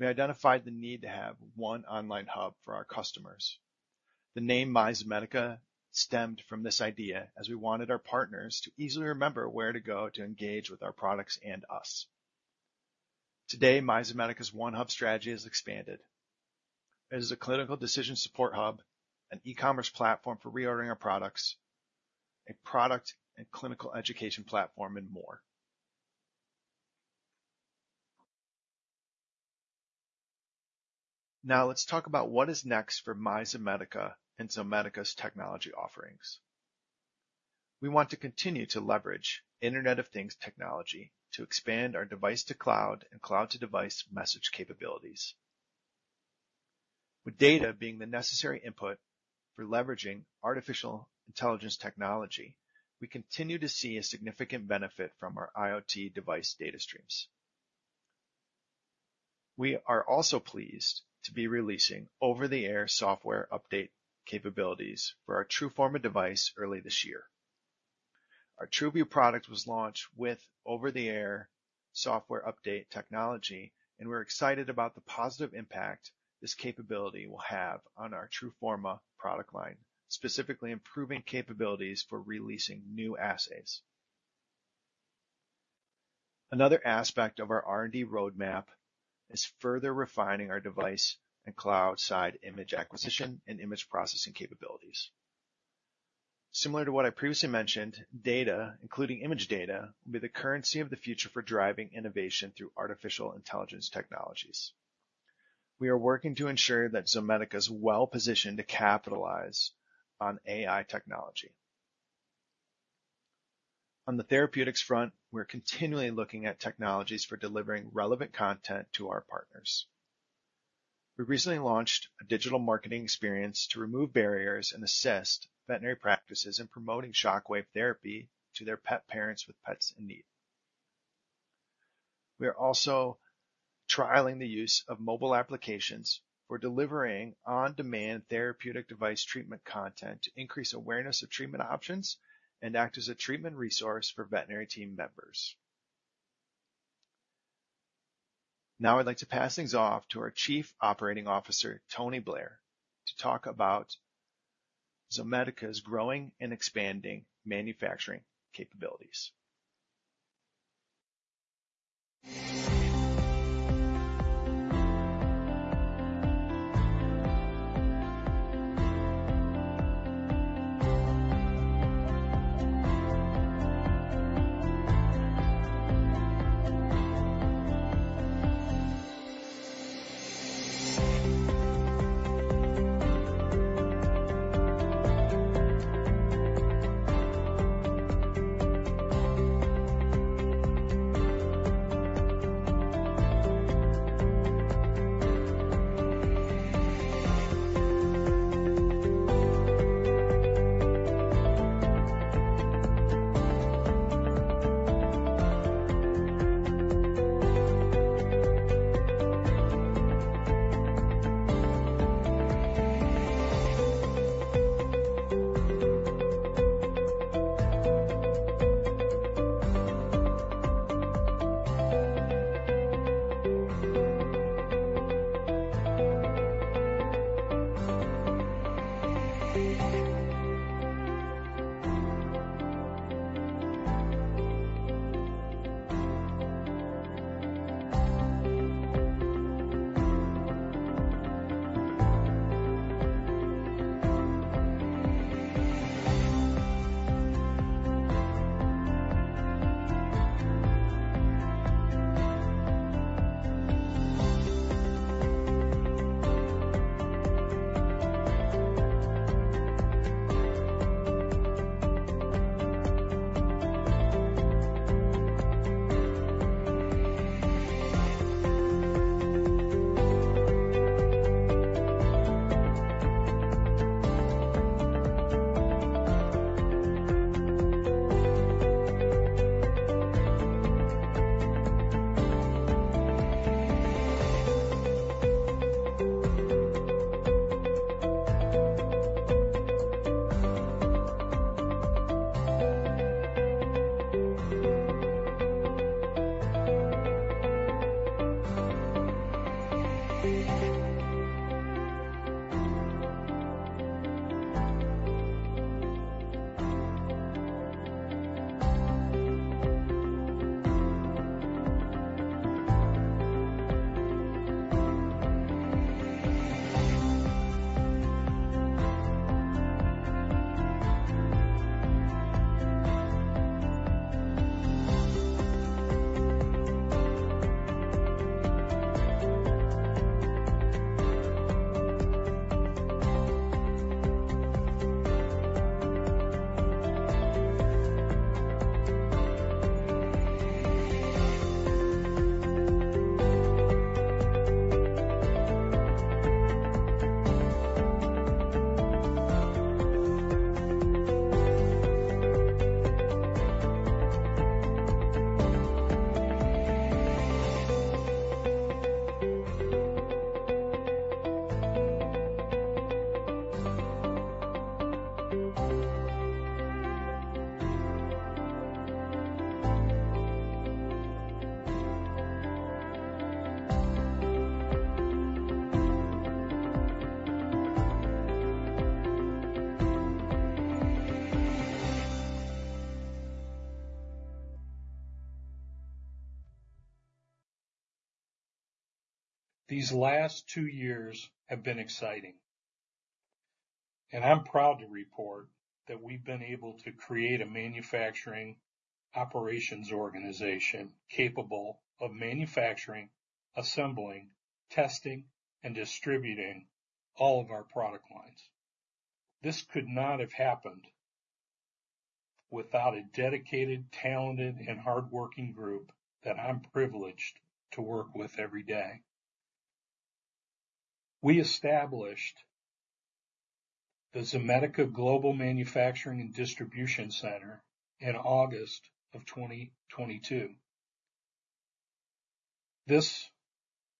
We identified the need to have one online hub for our customers. The name myZomedica stemmed from this idea, as we wanted our partners to easily remember where to go to engage with our products and us. Today, myZomedica's one hub strategy has expanded. It is a clinical decision support hub, an e-commerce platform for reordering our products, a product and clinical education platform, and more. Now let's talk about what is next for myZomedica and Zomedica's technology offerings. We want to continue to leverage Internet of Things technology to expand our device-to-cloud and cloud-to-device message capabilities. With data being the necessary input for leveraging artificial intelligence technology, we continue to see a significant benefit from our IoT device data streams. We are also pleased to be releasing over-the-air software update capabilities for our TRUFORMA device early this year. Our TRUVIEW product was launched with over-the-air software update technology, and we're excited about the positive impact this capability will have on our TRUFORMA product line, specifically improving capabilities for releasing new assays. Another aspect of our R&D roadmap is further refining our device and cloud-side image acquisition and image processing capabilities. Similar to what I previously mentioned, data, including image data, will be the currency of the future for driving innovation through artificial intelligence technologies. We are working to ensure that Zomedica is well-positioned to capitalize on AI technology. On the therapeutics front, we're continually looking at technologies for delivering relevant content to our partners. We recently launched a digital marketing experience to remove barriers and assist veterinary practices in promoting shockwave therapy to their pet parents with pets in need. We are also trialing the use of mobile applications for delivering on-demand therapeutic device treatment content to increase awareness of treatment options and act as a treatment resource for veterinary team members. Now, I'd like to pass things off to our Chief Operating Officer, Tony Blair, to talk about Zomedica's growing and expanding manufacturing capabilities. These last two years have been exciting, and I'm proud to report that we've been able to create a manufacturing operations organization capable of manufacturing, assembling, testing, and distributing all of our product lines. This could not have happened without a dedicated, talented, and hardworking group that I'm privileged to work with every day. We established the Zomedica Global Manufacturing and Distribution Center in August 2022. This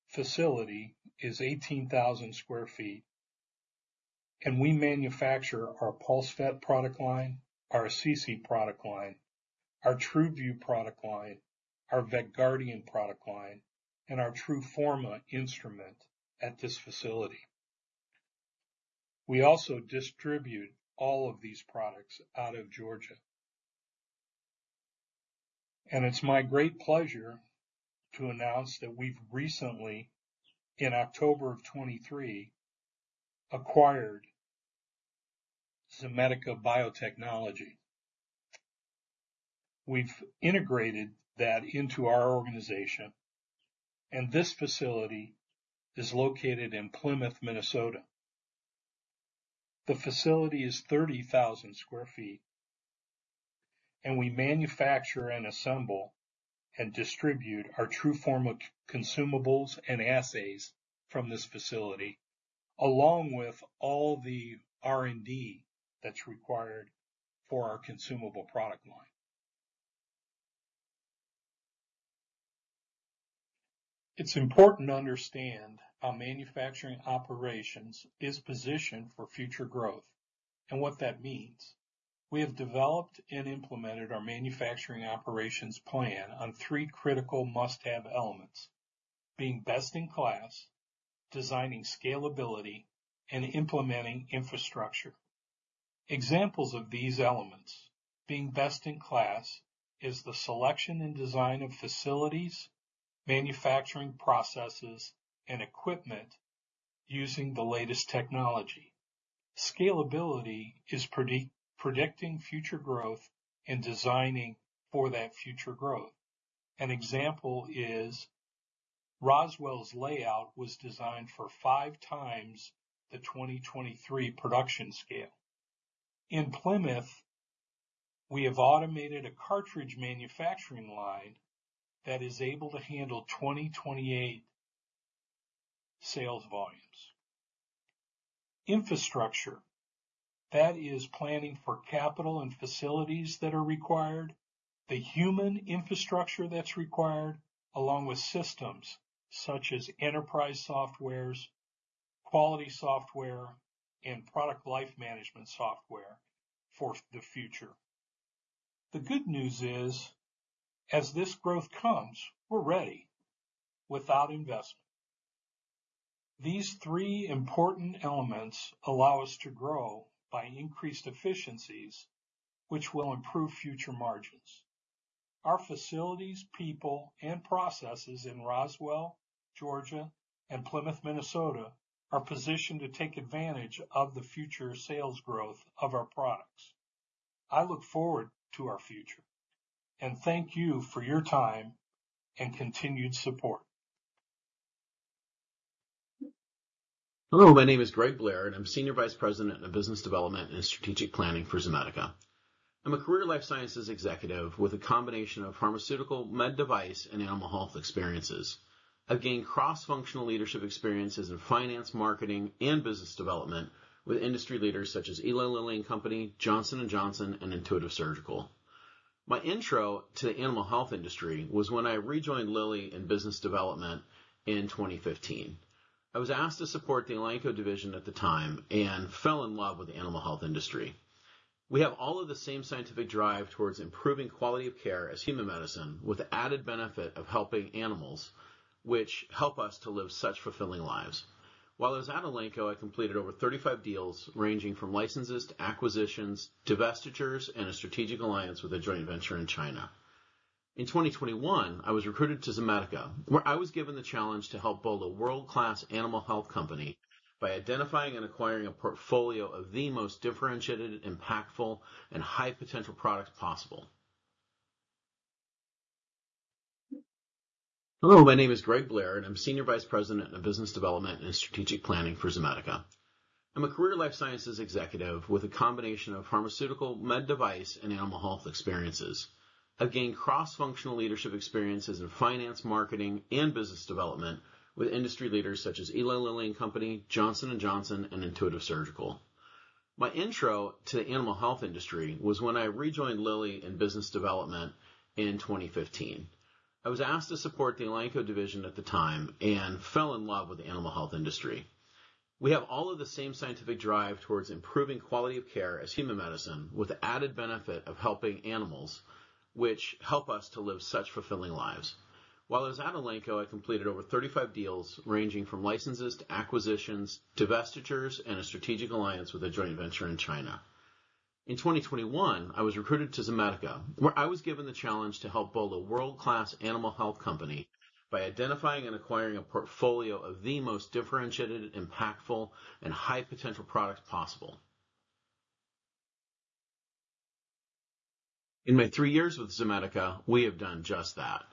facility is 18,000 sq ft, and we manufacture our PulseVet product line, our Assisi product line, our TRUVIEW product line, our VETGuardian product line, and our TRUFORMA instrument at this facility. We also distribute all of these products out of Georgia. It's my great pleasure to announce that we've recently, in October 2023, acquired Qorvo Biotechnologies. We've integrated that into our organization, and this facility is located in Plymouth, Minnesota. The facility is 30,000 sq ft, and we manufacture and assemble, and distribute our TRUFORMA consumables and assays from this facility, along with all the R&D that's required for our consumable product line. It's important to understand our manufacturing operations is positioned for future growth and what that means. We have developed and implemented our manufacturing operations plan on three critical must-have elements: being best in class, designing scalability, and implementing infrastructure. Examples of these elements. Being best in class is the selection and design of facilities, manufacturing processes, and equipment using the latest technology. Scalability is predicting future growth and designing for that future growth. An example is Roswell's layout was designed for 5x the 2023 production scale. In Plymouth, we have automated a cartridge manufacturing line that is able to handle 2028 sales volumes. Infrastructure, that is planning for capital and facilities that are required, the human infrastructure that's required, along with systems such as enterprise software, quality software, and product life management software for the future. The good news is, as this growth comes, we're ready without investment. These three important elements allow us to grow by increased efficiencies, which will improve future margins. Our facilities, people, and processes in Roswell, Georgia, and Plymouth, Minnesota, are positioned to take advantage of the future sales growth of our products. I look forward to our future, and thank you for your time and continued support. Hello, my name is Greg Blair, and I'm Senior Vice President of Business Development and Strategic Planning for Zomedica. I'm a career life sciences executive with a combination of pharmaceutical, med device, and animal health experiences. I've gained cross-functional leadership experiences in finance, marketing, and business development with industry leaders such as Eli Lilly and Company, Johnson & Johnson, and Intuitive Surgical. My intro to the animal health industry was when I rejoined Lilly in business development in 2015. I was asked to support the Elanco division at the time and fell in love with the animal health industry. We have all of the same scientific drive towards improving quality of care as human medicine, with the added benefit of helping animals, which help us to live such fulfilling lives. While I was at Elanco, I completed over 35 deals, ranging from licenses to acquisitions, divestitures, and a strategic alliance with a joint venture in China. In 2021, I was recruited to Zomedica, where I was given the challenge to help build a world-class animal health company by identifying and acquiring a portfolio of the most differentiated, impactful, and high potential products possible. Hello, my name is Greg Blair, and I'm Senior Vice President of Business Development and Strategic Planning for Zomedica. I'm a career life sciences executive with a combination of pharmaceutical, med device, and animal health experiences. I've gained cross-functional leadership experiences in finance, marketing, and business development with industry leaders such as Eli Lilly and Company, Johnson & Johnson, and Intuitive Surgical. My intro to the animal health industry was when I rejoined Lilly in business development in 2015. I was asked to support the Elanco division at the time and fell in love with the animal health industry. We have all of the same scientific drive towards improving quality of care as human medicine, with the added benefit of helping animals, which help us to live such fulfilling lives. While I was at Elanco, I completed over 35 deals, ranging from licenses to acquisitions, divestitures, and a strategic alliance with a joint venture in China. In 2021, I was recruited to Zomedica, where I was given the challenge to help build a world-class animal health company by identifying and acquiring a portfolio of the most differentiated, impactful, and high-potential products possible. In my three years with Zomedica, we have done just that,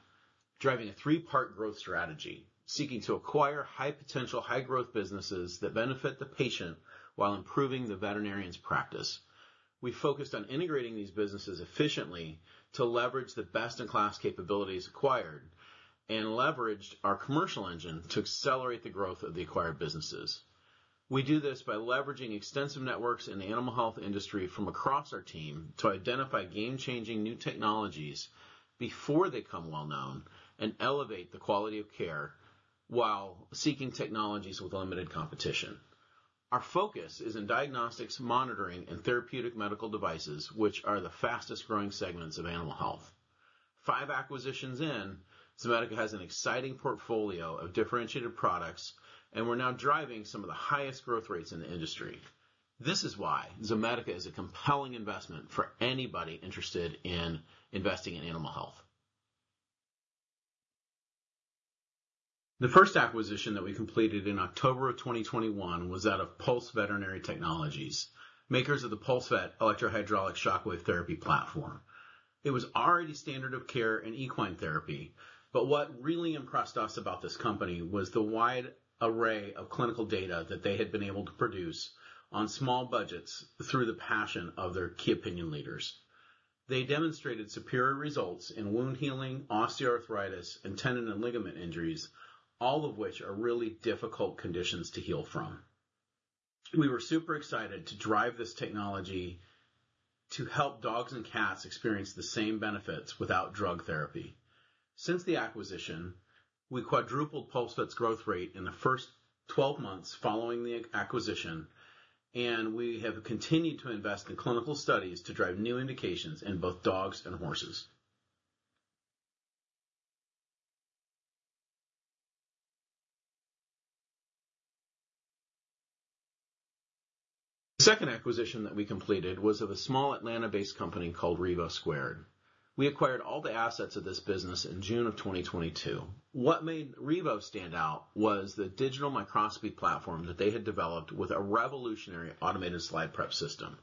driving a three-part growth strategy, seeking to acquire high-potential, high-growth businesses that benefit the patient while improving the veterinarian's practice. We focused on integrating these businesses efficiently to leverage the best-in-class capabilities acquired and leveraged our commercial engine to accelerate the growth of the acquired businesses. We do this by leveraging extensive networks in the animal health industry from across our team to identify game-changing new technologies before they become well-known and elevate the quality of care while seeking technologies with limited competition. Our focus is in diagnostics, monitoring, and therapeutic medical devices, which are the fastest-growing segments of animal health. Five acquisitions in, Zomedica has an exciting portfolio of differentiated products, and we're now driving some of the highest growth rates in the industry. This is why Zomedica is a compelling investment for anybody interested in investing in animal health. The first acquisition that we completed in October of 2021 was out of Pulse Veterinary Technologies, makers of the PulseVet electrohydraulic shockwave therapy platform. It was already standard of care in equine therapy, but what really impressed us about this company was the wide array of clinical data that they had been able to produce on small budgets through the passion of their key opinion leaders. They demonstrated superior results in wound healing, osteoarthritis, and tendon and ligament injuries, all of which are really difficult conditions to heal from. We were super excited to drive this technology to help dogs and cats experience the same benefits without drug therapy. Since the acquisition, we quadrupled PulseVet's growth rate in the first 12 months following the acquisition, and we have continued to invest in clinical studies to drive new indications in both dogs and horses. The second acquisition that we completed was of a small Atlanta-based company called Revo Squared. We acquired all the assets of this business in June of 2022. What made Revo stand out was the digital microscopy platform that they had developed with a revolutionary automated slide prep system.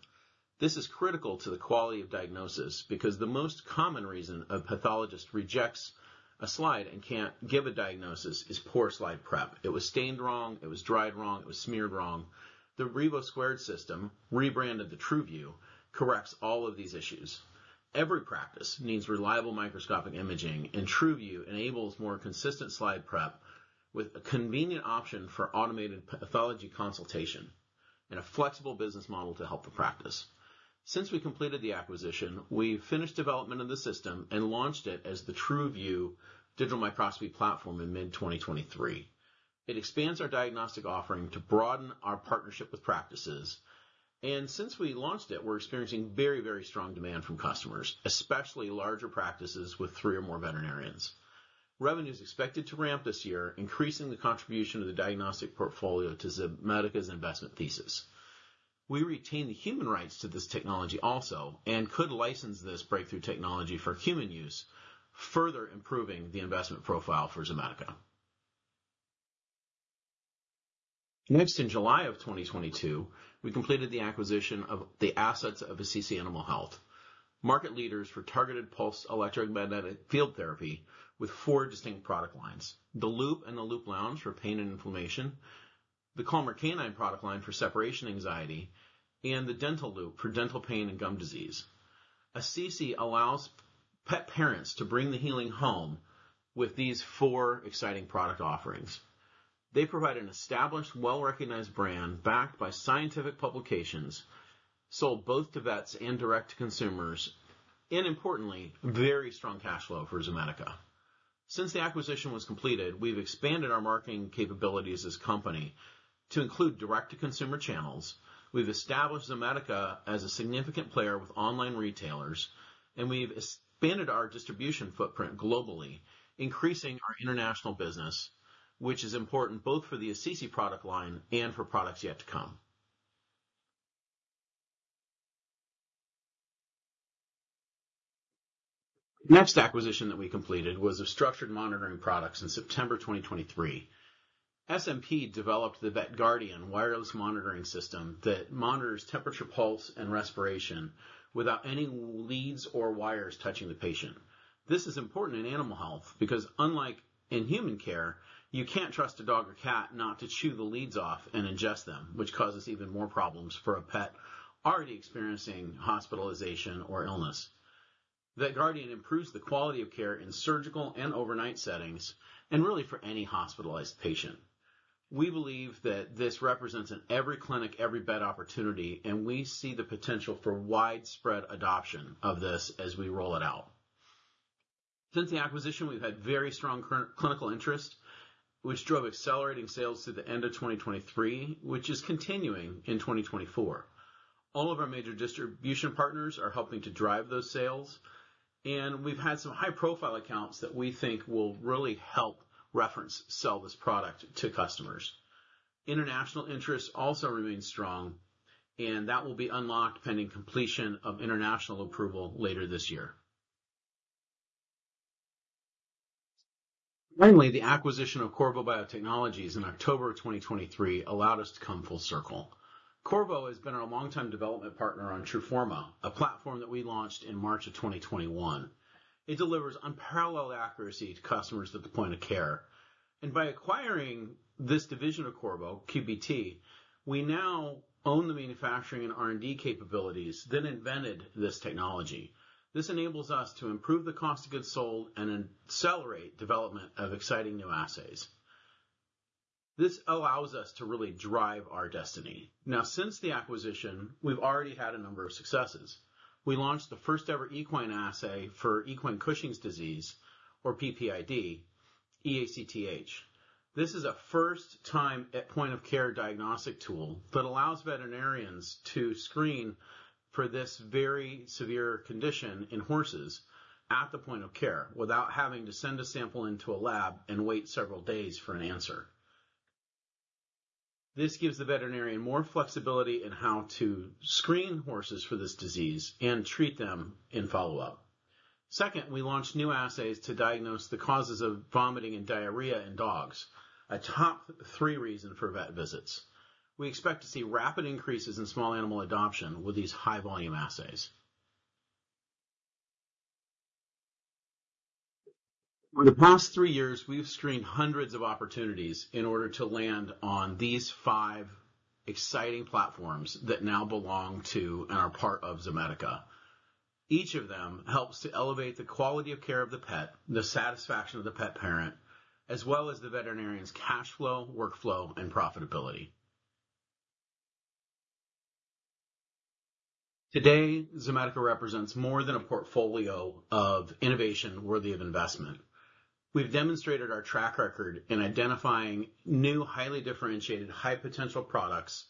This is critical to the quality of diagnosis because the most common reason a pathologist rejects a slide and can't give a diagnosis is poor slide prep. It was stained wrong, it was dried wrong, it was smeared wrong. The Revo Squared system, rebranded TRUVIEW, corrects all of these issues. Every practice needs reliable microscopic imaging, and TRUVIEW enables more consistent slide prep with a convenient option for automated pathology consultation and a flexible business model to help the practice. Since we completed the acquisition, we've finished development of the system and launched it as the TRUVIEW Digital Microscopy Platform in mid-2023. It expands our diagnostic offering to broaden our partnership with practices. Since we launched it, we're experiencing very, very strong demand from customers, especially larger practices with three or more veterinarians. Revenue is expected to ramp this year, increasing the contribution of the diagnostic portfolio to Zomedica's investment thesis. We retain the human rights to this technology also and could license this breakthrough technology for human use, further improving the investment profile for Zomedica. Next, in July 2022, we completed the acquisition of the assets of Assisi Animal Health, market leaders for targeted pulse electromagnetic field therapy with four distinct product lines: the Loop and the Loop Lounge for pain and inflammation, the Calmer Canine product line for separation anxiety, and the DentaLoop for dental pain and gum disease. Assisi allows pet parents to bring the healing home with these four exciting product offerings. They provide an established, well-recognized brand backed by scientific publications, sold both to vets and direct to consumers, and importantly, very strong cash flow for Zomedica. Since the acquisition was completed, we've expanded our marketing capabilities as a company to include direct-to-consumer channels. We've established Zomedica as a significant player with online retailers, and we've expanded our distribution footprint globally, increasing our international business, which is important both for the Assisi product line and for products yet to come. The next acquisition that we completed was of Structured Monitoring Products in September 2023. SMP developed the VETGuardian wireless monitoring system that monitors temperature, pulse, and respiration without any leads or wires touching the patient. This is important in animal health because, unlike in human care, you can't trust a dog or cat not to chew the leads off and ingest them, which causes even more problems for a pet already experiencing hospitalization or illness. VETGuardian improves the quality of care in surgical and overnight settings and really for any hospitalized patient. We believe that this represents an every clinic, every vet opportunity, and we see the potential for widespread adoption of this as we roll it out. Since the acquisition, we've had very strong clinical interest, which drove accelerating sales to the end of 2023, which is continuing in 2024. All of our major distribution partners are helping to drive those sales, and we've had some high-profile accounts that we think will really help reference sell this product to customers. International interest also remains strong, and that will be unlocked pending completion of international approval later this year. Finally, the acquisition of Qorvo Biotechnologies in October 2023 allowed us to come full circle. Qorvo has been our longtime development partner on TRUFORMA, a platform that we launched in March 2021. It delivers unparalleled accuracy to customers at the point of care. And by acquiring this division of Qorvo, QBT, we now own the manufacturing and R&D capabilities that invented this technology. This enables us to improve the cost of goods sold and accelerate development of exciting new assays. This allows us to really drive our destiny. Now, since the acquisition, we've already had a number of successes. We launched the first-ever equine assay for equine Cushing's disease or PPID, eACTH. This is a first time at point-of-care diagnostic tool that allows veterinarians to screen for this very severe condition in horses at the point of care, without having to send a sample into a lab and wait several days for an answer. This gives the veterinarian more flexibility in how to screen horses for this disease and treat them in follow-up. Second, we launched new assays to diagnose the causes of vomiting and diarrhea in dogs, a top 3 reason for vet visits. We expect to see rapid increases in small animal adoption with these high-volume assays. Over the past three years, we've screened hundreds of opportunities in order to land on these five exciting platforms that now belong to and are part of Zomedica. Each of them helps to elevate the quality of care of the pet, the satisfaction of the pet parent, as well as the veterinarian's cash flow, workflow, and profitability. Today, Zomedica represents more than a portfolio of innovation worthy of investment. We've demonstrated our track record in identifying new, highly differentiated, high potential products,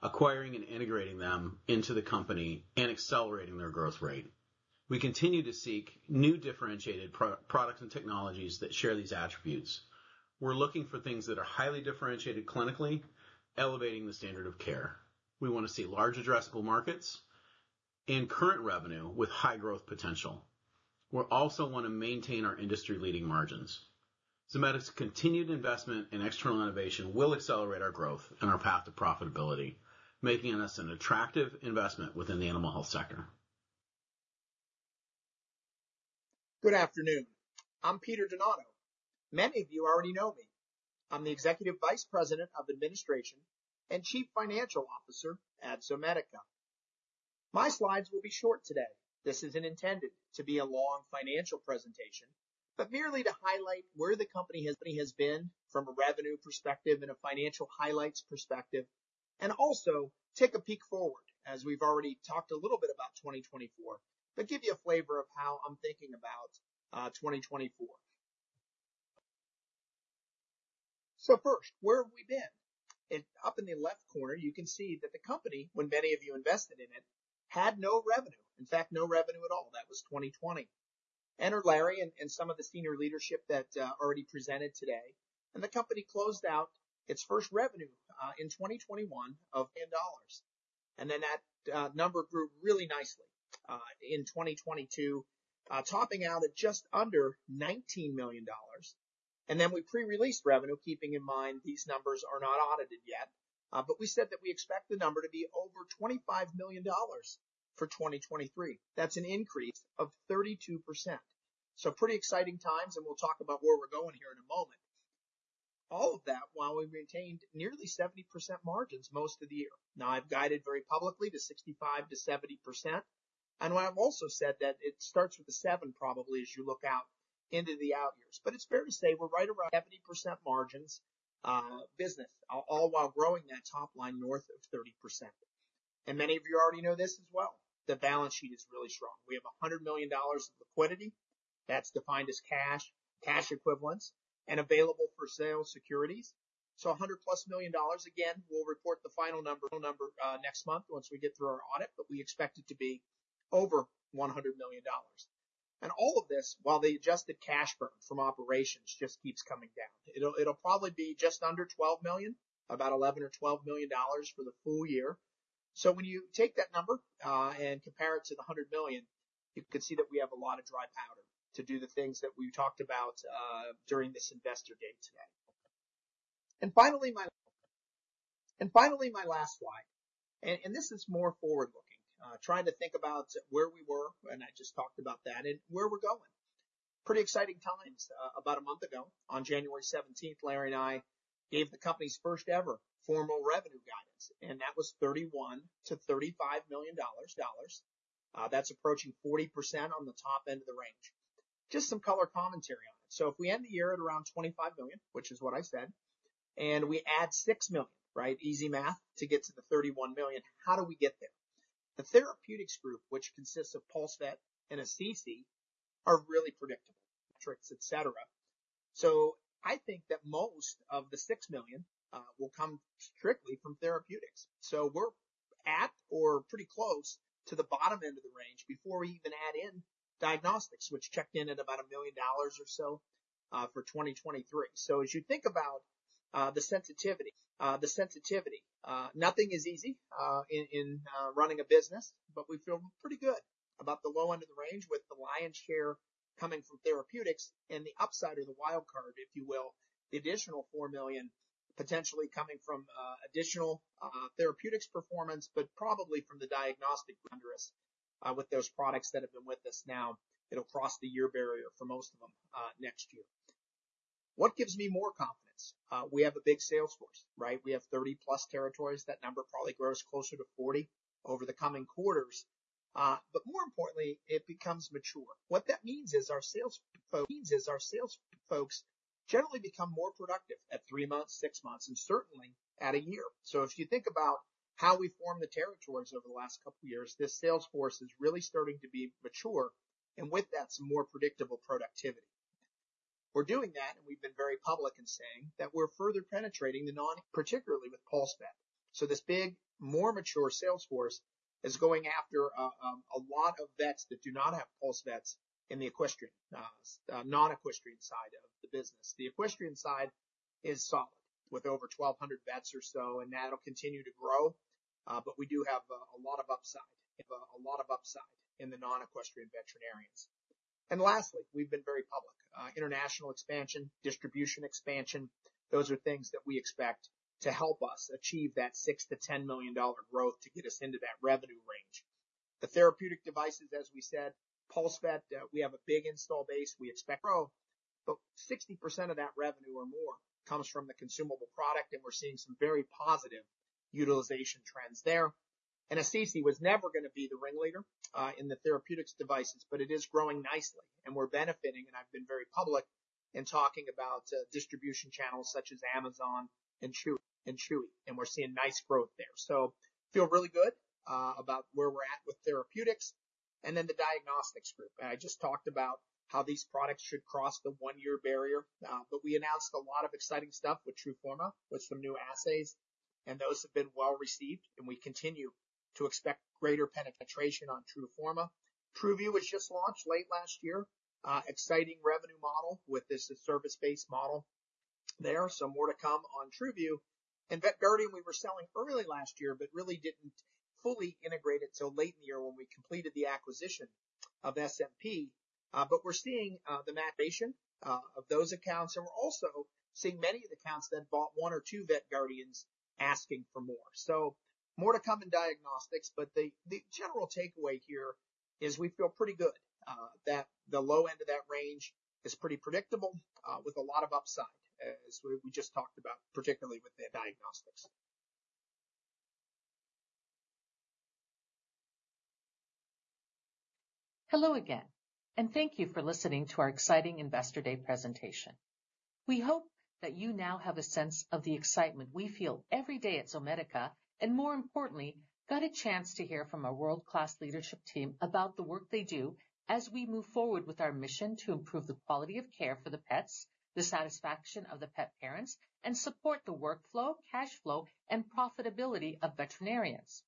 acquiring and integrating them into the company, and accelerating their growth rate. We continue to seek new differentiated products and technologies that share these attributes. We're looking for things that are highly differentiated clinically, elevating the standard of care. We want to see large addressable markets and current revenue with high growth potential. We also want to maintain our industry-leading margins. Zomedica's continued investment in external innovation will accelerate our growth and our path to profitability, making us an attractive investment within the animal health sector. Good afternoon. I'm Peter Donato. Many of you already know me. I'm the Executive Vice President of Administration and Chief Financial Officer at Zomedica. My slides will be short today. This isn't intended to be a long financial presentation, but merely to highlight where the company has been from a revenue perspective and a financial highlights perspective, and also take a peek forward, as we've already talked a little bit about 2024, but give you a flavor of how I'm thinking about 2024. So first, where have we been? And up in the left corner, you can see that the company, when many of you invested in it, had no revenue. In fact, no revenue at all. That was 2020. Enter Larry and some of the senior leadership that already presented today, and the company closed out its first revenue in 2021 of in dollars. Then that number grew really nicely in 2022, topping out at just under $19 million. Then we pre-released revenue, keeping in mind these numbers are not audited yet, but we said that we expect the number to be over $25 million for 2023. That's an increase of 32%. So pretty exciting times, and we'll talk about where we're going here in a moment. All of that while we maintained nearly 70% margins most of the year. Now, I've guided very publicly to 65%-70%, and what I've also said that it starts with a seven, probably as you look out into the out years. But it's fair to say we're right around 70% margins, business, all while growing that top line north of 30%. And many of you already know this as well. The balance sheet is really strong. We have $100 million of liquidity. That's defined as cash, cash equivalents, and available for sale securities. So $100+ million. Again, we'll report the final number next month once we get through our audit, but we expect it to be over $100 million. And all of this, while the adjusted cash burn from operations just keeps coming down. It'll probably be just under $12 million, about $11 million or $12 million for the full year. So when you take that number and compare it to the $100 million, you can see that we have a lot of dry powder to do the things that we talked about during this investor day today. And finally, my last slide, and this is more forward-looking, trying to think about where we were, and I just talked about that, and where we're going. Pretty exciting times. About a month ago, on January seventeenth, Larry and I gave the company's first-ever formal revenue guidance, and that was $31 million-$35 million. That's approaching 40% on the top end of the range. Just some color commentary on it. So if we end the year at around $25 million, which is what I said, and we add $6 million, right? Easy math to get to the $31 million. How do we get there? The therapeutics group, which consists of PulseVet and ACC, are really predictable, metrics, et cetera. So I think that most of the $6 million will come strictly from therapeutics. So we're at or pretty close to the bottom end of the range before we even add in diagnostics, which checked in at about $1 million or so for 2023. So as you think about the sensitivity, nothing is easy in running a business, but we feel pretty good about the low end of the range, with the lion's share coming from therapeutics and the upside or the wild card, if you will, the additional $4 million potentially coming from additional therapeutics performance, but probably from the diagnostics, with those products that have been with us now, it'll cross the year barrier for most of them next year. What gives me more confidence? We have a big sales force, right? We have 30+ territories. That number probably grows closer to 40 over the coming quarters, but more importantly, it becomes mature. What that means is our sales folks generally become more productive at three months, six months, and certainly at a year. So if you think about how we form the territories over the last couple of years, this sales force is really starting to be mature, and with that, some more predictable productivity. We're doing that, and we've been very public in saying that we're further penetrating the non-equestrian, particularly with PulseVet. So this big, more mature sales force is going after a lot of vets that do not have PulseVets in the equestrian, non-equestrian side of the business. The equestrian side is solid, with over 1,200 vets or so, and that'll continue to grow, but we do have a lot of upside, a lot of upside in the non-equestrian veterinarians. And lastly, we've been very public. International expansion, distribution expansion, those are things that we expect to help us achieve that $6 million-$10 million growth to get us into that revenue range. The therapeutic devices, as we said, PulseVet, we have a big install base. We expect to grow, but 60% of that revenue or more comes from the consumable product, and we're seeing some very positive utilization trends there. And Assisi was never gonna be the ringleader in the therapeutics devices, but it is growing nicely, and we're benefiting. And I've been very public in talking about distribution channels such as Amazon and Chewy, and Chewy, and we're seeing nice growth there. So feel really good about where we're at with therapeutics and then the diagnostics group. I just talked about how these products should cross the one-year barrier, but we announced a lot of exciting stuff with TRUFORMA, with some new assays, and those have been well received, and we continue to expect greater penetration on TRUFORMA. TRUVIEW was just launched late last year. Exciting revenue model with this service-based model. There are some more to come on TRUVIEW, and VETGuardian, we were selling early last year, but really didn't fully integrate it till late in the year when we completed the acquisition of SMP. But we're seeing the maturation of those accounts, and we're also seeing many of the accounts that bought one or two VETGuardians asking for more. So more to come in diagnostics, but the general takeaway here is we feel pretty good that the low end of that range is pretty predictable, with a lot of upside, as we just talked about, particularly with the diagnostics. Hello again, and thank you for listening to our exciting Investor Day presentation. We hope that you now have a sense of the excitement we feel every day at Zomedica, and more importantly, got a chance to hear from our world-class leadership team about the work they do as we move forward with our mission to improve the quality of care for the pets, the satisfaction of the pet parents, and support the workflow, cash flow, and profitability of veterinarians.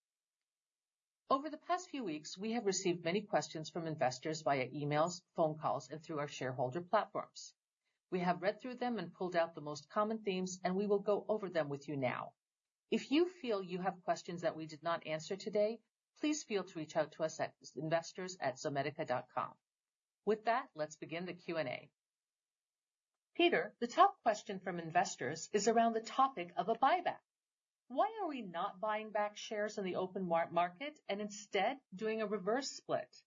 Over the past few weeks, we have received many questions from investors via emails, phone calls, and through our shareholder platforms. We have read through them and pulled out the most common themes, and we will go over them with you now. If you feel you have questions that we did not answer today, please feel free to reach out to us at investors@zomedica.com. With that, let's begin the Q&A. Peter, the top question from investors is around the topic of a buyback. Why are we not buying back shares on the open market and instead doing a reverse split?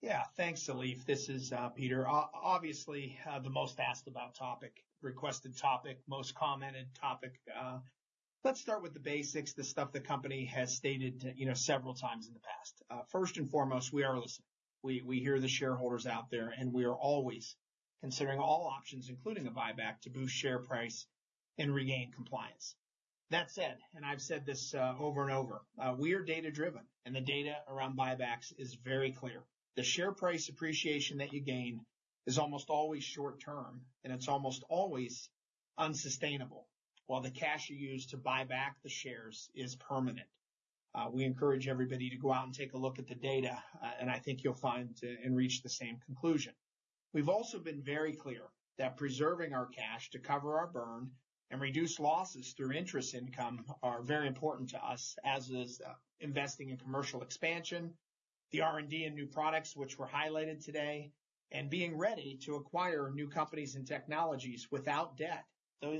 Yeah. Thanks, Elif. This is Peter. Obviously, the most asked about topic, requested topic, most commented topic. Let's start with the basics, the stuff the company has stated, you know, several times in the past. First and foremost, we are listening. We hear the shareholders out there, and we are always considering all options, including a buyback, to boost share price and regain compliance. That said, and I've said this over and over, we are data-driven, and the data around buybacks is very clear. The share price appreciation that you gain is almost always short term, and it's almost always unsustainable, while the cash you use to buy back the shares is permanent. We encourage everybody to go out and take a look at the data, and I think you'll find and reach the same conclusion. We've also been very clear that preserving our cash to cover our burn and reduce losses through interest income are very important to us, as is investing in commercial expansion, the R&D and new products which were highlighted today, and being ready to acquire new companies and technologies without debt.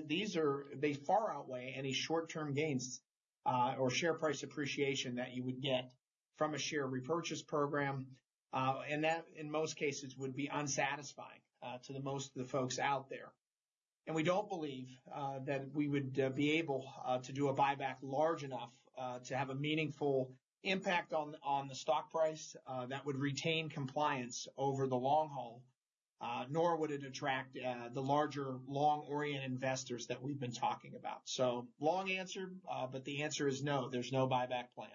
These are. They far outweigh any short-term gains or share price appreciation that you would get from a share repurchase program, and that, in most cases, would be unsatisfying to the most of the folks out there. And we don't believe that we would be able to do a buyback large enough to have a meaningful impact on the stock price that would retain compliance over the long haul, nor would it attract the larger, long-oriented investors that we've been talking about. So long answer, but the answer is no, there's no buyback plan.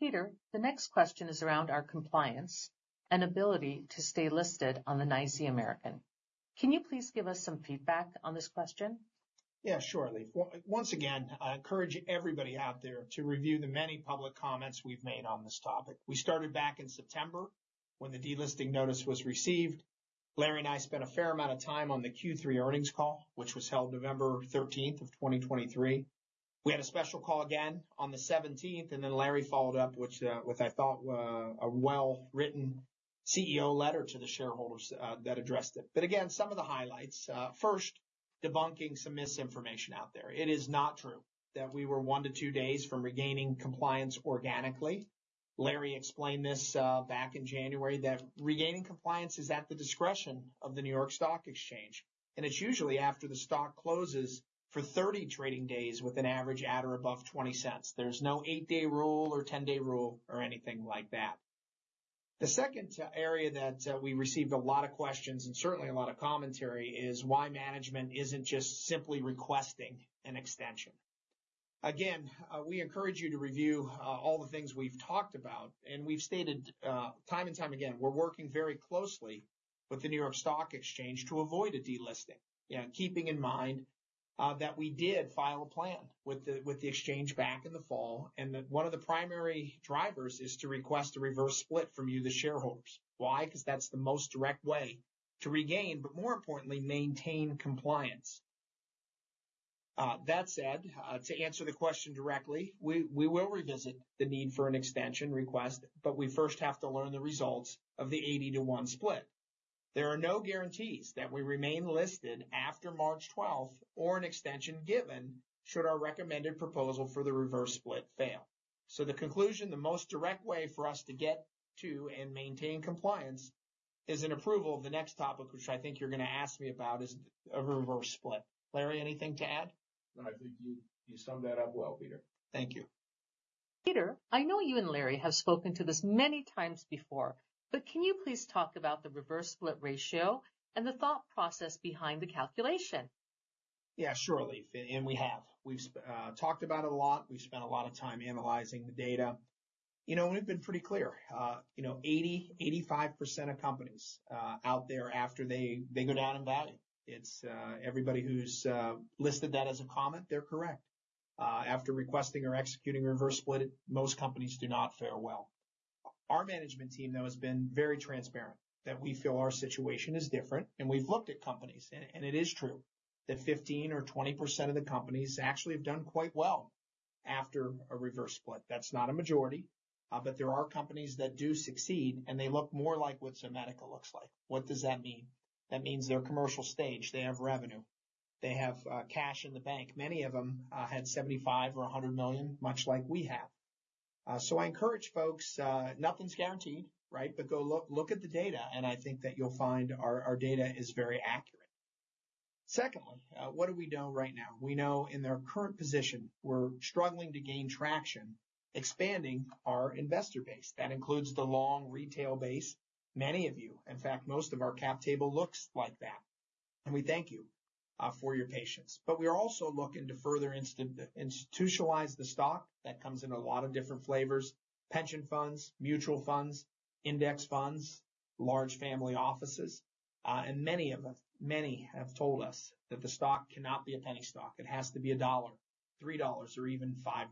Peter, the next question is around our compliance and ability to stay listed on the NYSE American. Can you please give us some feedback on this question? Yeah, sure, Elif. Once again, I encourage everybody out there to review the many public comments we've made on this topic. We started back in September when the delisting notice was received. Larry and I spent a fair amount of time on the Q3 earnings call, which was held November 13th, 2023. We had a special call again on the 17th, and then Larry followed up, which, which I thought, a well-written CEO letter to the shareholders, that addressed it. But again, some of the highlights, first, debunking some misinformation out there. It is not true that we were 1-2 days from regaining compliance organically. Larry explained this back in January that regaining compliance is at the discretion of the New York Stock Exchange, and it's usually after the stock closes for 30 trading days with an average at or above $0.20. There's no 8-day rule or 10-day rule or anything like that. The second area that we received a lot of questions, and certainly a lot of commentary, is why management isn't just simply requesting an extension. Again, we encourage you to review all the things we've talked about, and we've stated time and time again, we're working very closely with the New York Stock Exchange to avoid a delisting. Keeping in mind that we did file a plan with the exchange back in the fall, and that one of the primary drivers is to request a reverse split from you, the shareholders. Why? Because that's the most direct way to regain, but more importantly, maintain compliance. That said, to answer the question directly, we, we will revisit the need for an extension request, but we first have to learn the results of the 80-to-1 split. There are no guarantees that we remain listed after March twelfth or an extension given, should our recommended proposal for the reverse split fail. So the conclusion, the most direct way for us to get to and maintain compliance, is an approval of the next topic, which I think you're going to ask me about, is a reverse split. Larry, anything to add? I think you summed that up well, Peter. Thank you. Peter, I know you and Larry have spoken to this many times before, but can you please talk about the reverse split ratio and the thought process behind the calculation? Yeah, sure, Elif, and we have. We've talked about it a lot. We've spent a lot of time analyzing the data. You know, we've been pretty clear, you know, 80%-85% of companies out there after they go down in value. It's everybody who's listed that as a comment, they're correct. After requesting or executing a reverse split, most companies do not fare well. Our management team, though, has been very transparent, that we feel our situation is different, and we've looked at companies. And it is true that 15% or 20% of the companies actually have done quite well after a reverse split. That's not a majority, but there are companies that do succeed, and they look more like what Zomedica looks like. What does that mean? That means they're commercial stage. They have revenue. They have cash in the bank. Many of them had $75 million or $100 million, much like we have. So I encourage folks, nothing's guaranteed, right? But go look. Look at the data, and I think that you'll find our data is very accurate. Secondly, what do we know right now? We know in their current position, we're struggling to gain traction, expanding our investor base. That includes the long retail base, many of you. In fact, most of our cap table looks like that, and we thank you for your patience. But we are also looking to further institutionalize the stock. That comes in a lot of different flavors: pension funds, mutual funds, index funds, large family offices. And many of them, many have told us that the stock cannot be a penny stock. It has to be $1, $3, or even $5.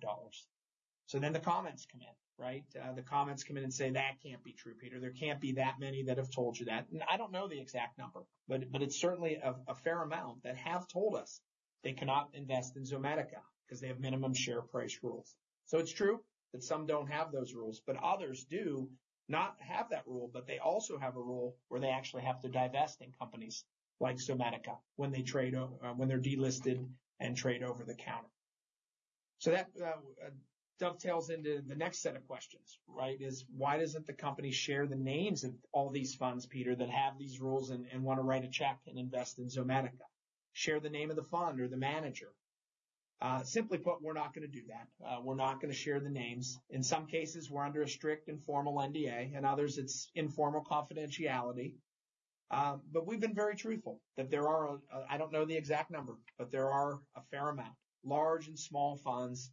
So then the comments come in, right? The comments come in and say, "That can't be true, Peter. There can't be that many that have told you that." And I don't know the exact number, but, but it's certainly a, a fair amount that have told us they cannot invest in Zomedica because they have minimum share price rules. So it's true that some don't have those rules, but others do not have that rule, but they also have a rule where they actually have to divest in companies like Zomedica when they trade over... When they're delisted and trade over the counter. So that dovetails into the next set of questions, right? It's, "Why doesn't the company share the names of all these funds, Peter, that have these rules and, and want to write a check and invest in Zomedica? Share the name of the fund or the manager." Simply put, we're not gonna do that. We're not gonna share the names. In some cases, we're under a strict informal NDA, and others it's informal confidentiality. But we've been very truthful that there are... I don't know the exact number, but there are a fair amount, large and small funds,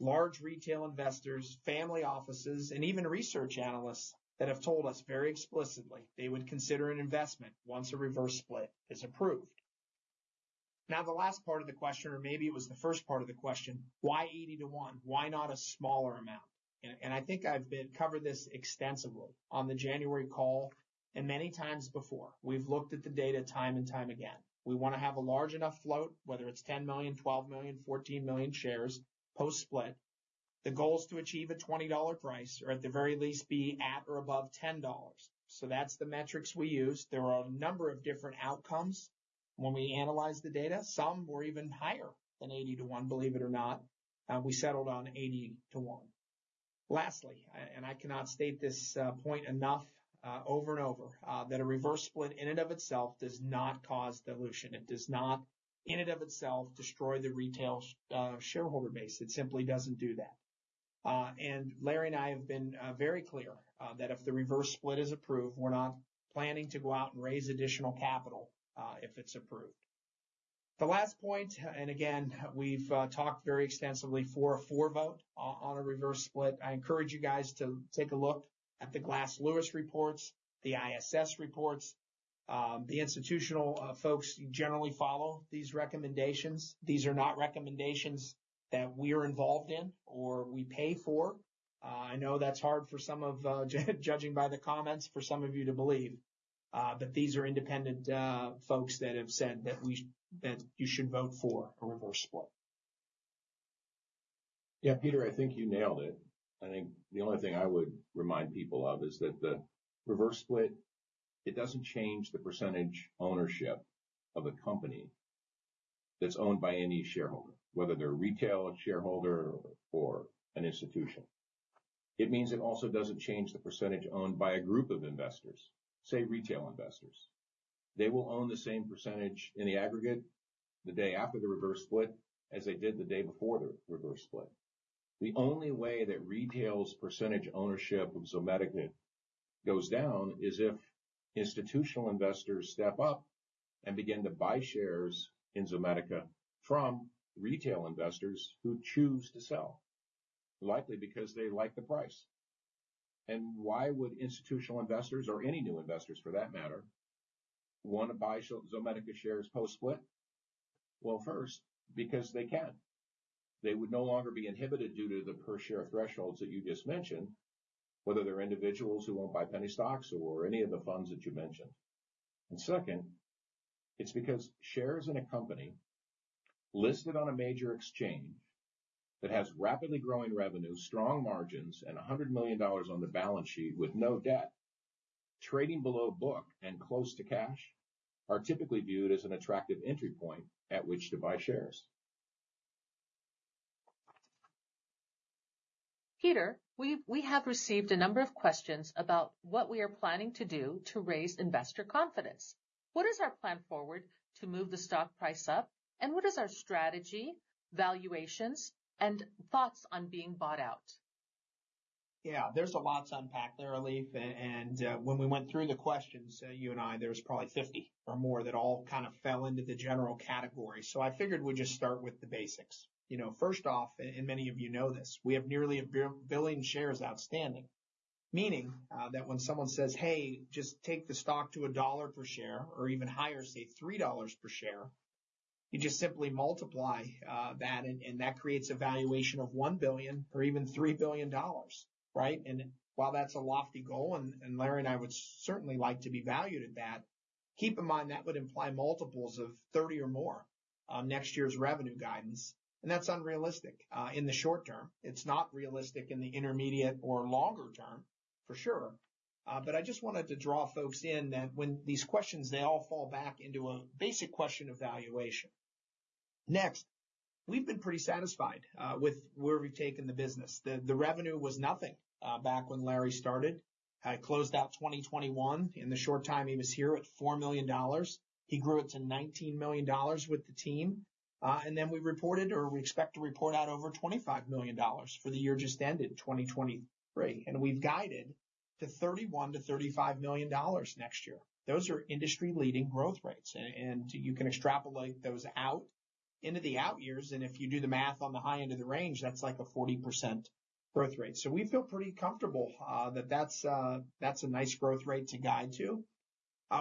large retail investors, family offices, and even research analysts that have told us very explicitly they would consider an investment once a reverse split is approved. Now, the last part of the question, or maybe it was the first part of the question: "Why 80-to-1? Why not a smaller amount?" And I think I've covered this extensively on the January call and many times before. We've looked at the data time and time again. We want to have a large enough float, whether it's 10 million, 12 million, 14 million shares post-split. The goal is to achieve a $20 price, or at the very least, be at or above $10. So that's the metrics we use. There are a number of different outcomes when we analyze the data. Some were even higher than 80-to-1, believe it or not, we settled on 80-to-1. Lastly, and I cannot state this point enough, over and over, that a reverse split in and of itself does not cause dilution. It does not, in and of itself, destroy the retail shareholder base. It simply doesn't do that. And Larry and I have been very clear that if the reverse split is approved, we're not planning to go out and raise additional capital, if it's approved. The last point, and again, we've talked very extensively for a vote on a reverse split. I encourage you guys to take a look at the Glass Lewis reports, the ISS reports. The institutional folks generally follow these recommendations. These are not recommendations that we're involved in or we pay for. I know that's hard for some of, judging by the comments, for some of you to believe. But these are independent folks that have said that you should vote for a reverse split. Yeah, Peter, I think you nailed it. I think the only thing I would remind people of is that the reverse split, it doesn't change the percentage ownership of a company that's owned by any shareholder, whether they're a retail shareholder or an institution. It means it also doesn't change the percentage owned by a group of investors, say, retail investors. They will own the same percentage in the aggregate the day after the reverse split, as they did the day before the reverse split. The only way that retail's percentage ownership of Zomedica goes down is if institutional investors step up and begin to buy shares in Zomedica from retail investors who choose to sell, likely because they like the price. And why would institutional investors or any new investors, for that matter, want to buy Zomedica shares post-split? Well, first, because they can. They would no longer be inhibited due to the per-share thresholds that you just mentioned, whether they're individuals who won't buy penny stocks or any of the funds that you mentioned. And second, it's because shares in a company listed on a major exchange that has rapidly growing revenue, strong margins, and $100 million on the balance sheet with no debt, trading below book and close to cash, are typically viewed as an attractive entry point at which to buy shares. Peter, we've received a number of questions about what we are planning to do to raise investor confidence. What is our plan forward to move the stock price up? And what is our strategy, valuations, and thoughts on being bought out? Yeah, there's a lot to unpack there, Elif. And when we went through the questions, you and I, there was probably 50 or more that all kind of fell into the general category. So I figured we'd just start with the basics. You know, first off, and many of you know this, we have nearly a billion shares outstanding. Meaning that when someone says, "Hey, just take the stock to a dollar per share or even higher, say three dollars per share.... You just simply multiply that and that creates a valuation of $1 billion or even $3 billion, right? And while that's a lofty goal, Larry and I would certainly like to be valued at that. Keep in mind that would imply multiples of 30 or more on next year's revenue guidance, and that's unrealistic in the short term. It's not realistic in the intermediate or longer term, for sure. But I just wanted to draw folks in that when these questions, they all fall back into a basic question of valuation. Next, we've been pretty satisfied with where we've taken the business. The revenue was nothing back when Larry started. I closed out 2021, in the short time he was here, at $4 million. He grew it to $19 million with the team. We reported, or we expect to report out over $25 million for the year just ended, 2023. We've guided to $31 million-$35 million next year. Those are industry-leading growth rates, and you can extrapolate those out into the out years. If you do the math on the high end of the range, that's like a 40% growth rate. So we feel pretty comfortable that that's a nice growth rate to guide to.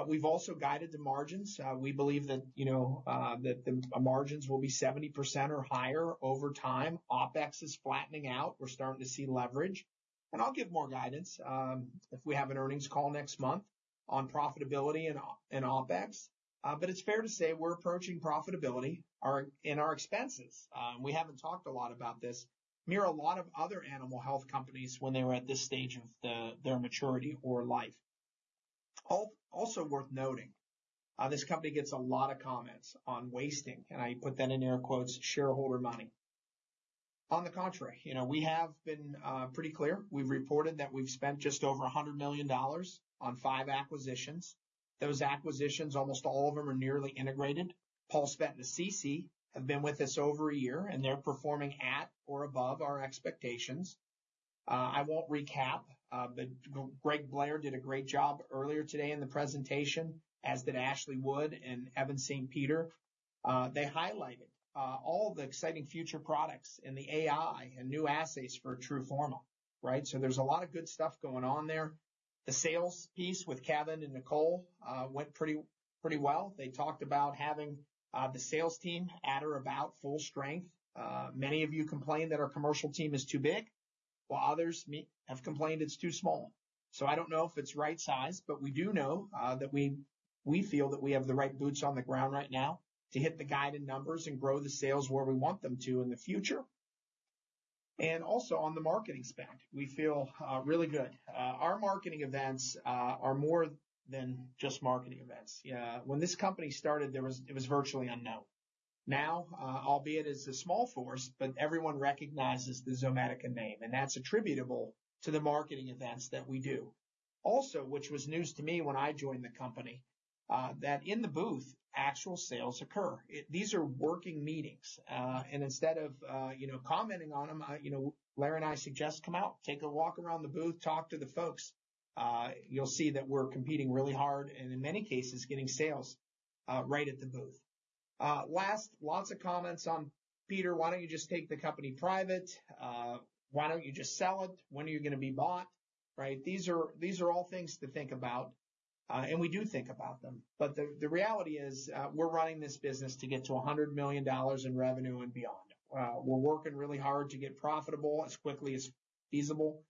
We've also guided the margins. We believe that, you know, that the margins will be 70% or higher over time. OpEx is flattening out. We're starting to see leverage, and I'll give more guidance if we have an earnings call next month on profitability and OpEx. But it's fair to say we're approaching profitability are in our expenses. We haven't talked a lot about this. Mirrors a lot of other animal health companies when they were at this stage of their maturity or life. Also worth noting, this company gets a lot of comments on wasting, and I put that in air quotes, "shareholder money." On the contrary, you know, we have been pretty clear. We've reported that we've spent just over $100 million on five acquisitions. Those acquisitions, almost all of them, are nearly integrated. PulseVet and CC have been with us over a year, and they're performing at or above our expectations. I won't recap, but Greg Blair did a great job earlier today in the presentation, as did Ashley Wood and Evan St. Peter. They highlighted all the exciting future products in the AI and new assays for TRUFORMA, right? So there's a lot of good stuff going on there. The sales piece with Kevin and Nicole went pretty, pretty well. They talked about having the sales team at or about full strength. Many of you complain that our commercial team is too big, while others have complained it's too small. So I don't know if it's right size, but we do know that we feel that we have the right boots on the ground right now to hit the guided numbers and grow the sales where we want them to in the future. And also on the marketing spend, we feel really good. Our marketing events are more than just marketing events. Yeah, when this company started, it was virtually unknown. Now, albeit as a small force, but everyone recognizes the Zomedica name, and that's attributable to the marketing events that we do. Also, which was news to me when I joined the company, that in the booth, actual sales occur. These are working meetings. And instead of, you know, commenting on them, you know, Larry and I suggest come out, take a walk around the booth, talk to the folks. You'll see that we're competing really hard and in many cases, getting sales right at the booth. Lots of comments on, "Peter, why don't you just take the company private? Why don't you just sell it? When are you gonna be bought?" Right? These are, these are all things to think about, and we do think about them. But the, the reality is, we're running this business to get to $100 million in revenue and beyond. We're working really hard to get profitable as quickly as feasible.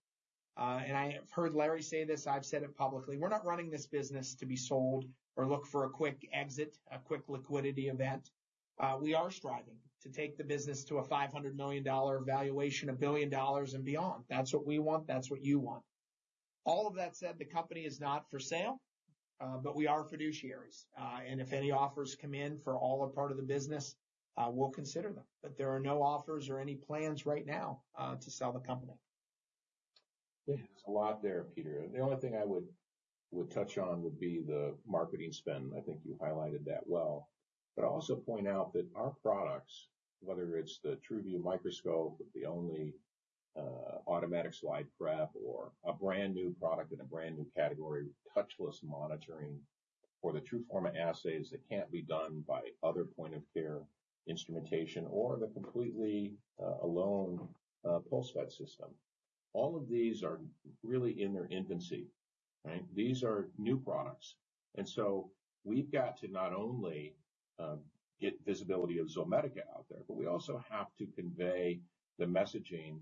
And I have heard Larry say this. I've said it publicly. We're not running this business to be sold or look for a quick exit, a quick liquidity event. We are striving to take the business to a $500 million valuation, $1 billion and beyond. That's what we want. That's what you want. All of that said, the company is not for sale, but we are fiduciaries. And if any offers come in for all or part of the business, we'll consider them, but there are no offers or any plans right now to sell the company. There's a lot there, Peter. The only thing I would touch on would be the marketing spend. I think you highlighted that well. But also point out that our products, whether it's the TRUVIEW microscope, the only automatic slide prep or a brand-new product in a brand-new category, touchless monitoring, or the TRUFORMA assays that can't be done by other point-of-care instrumentation or the completely alone PulseVet system. All of these are really in their infancy, right? These are new products, and so we've got to not only get visibility of Zomedica out there, but we also have to convey the messaging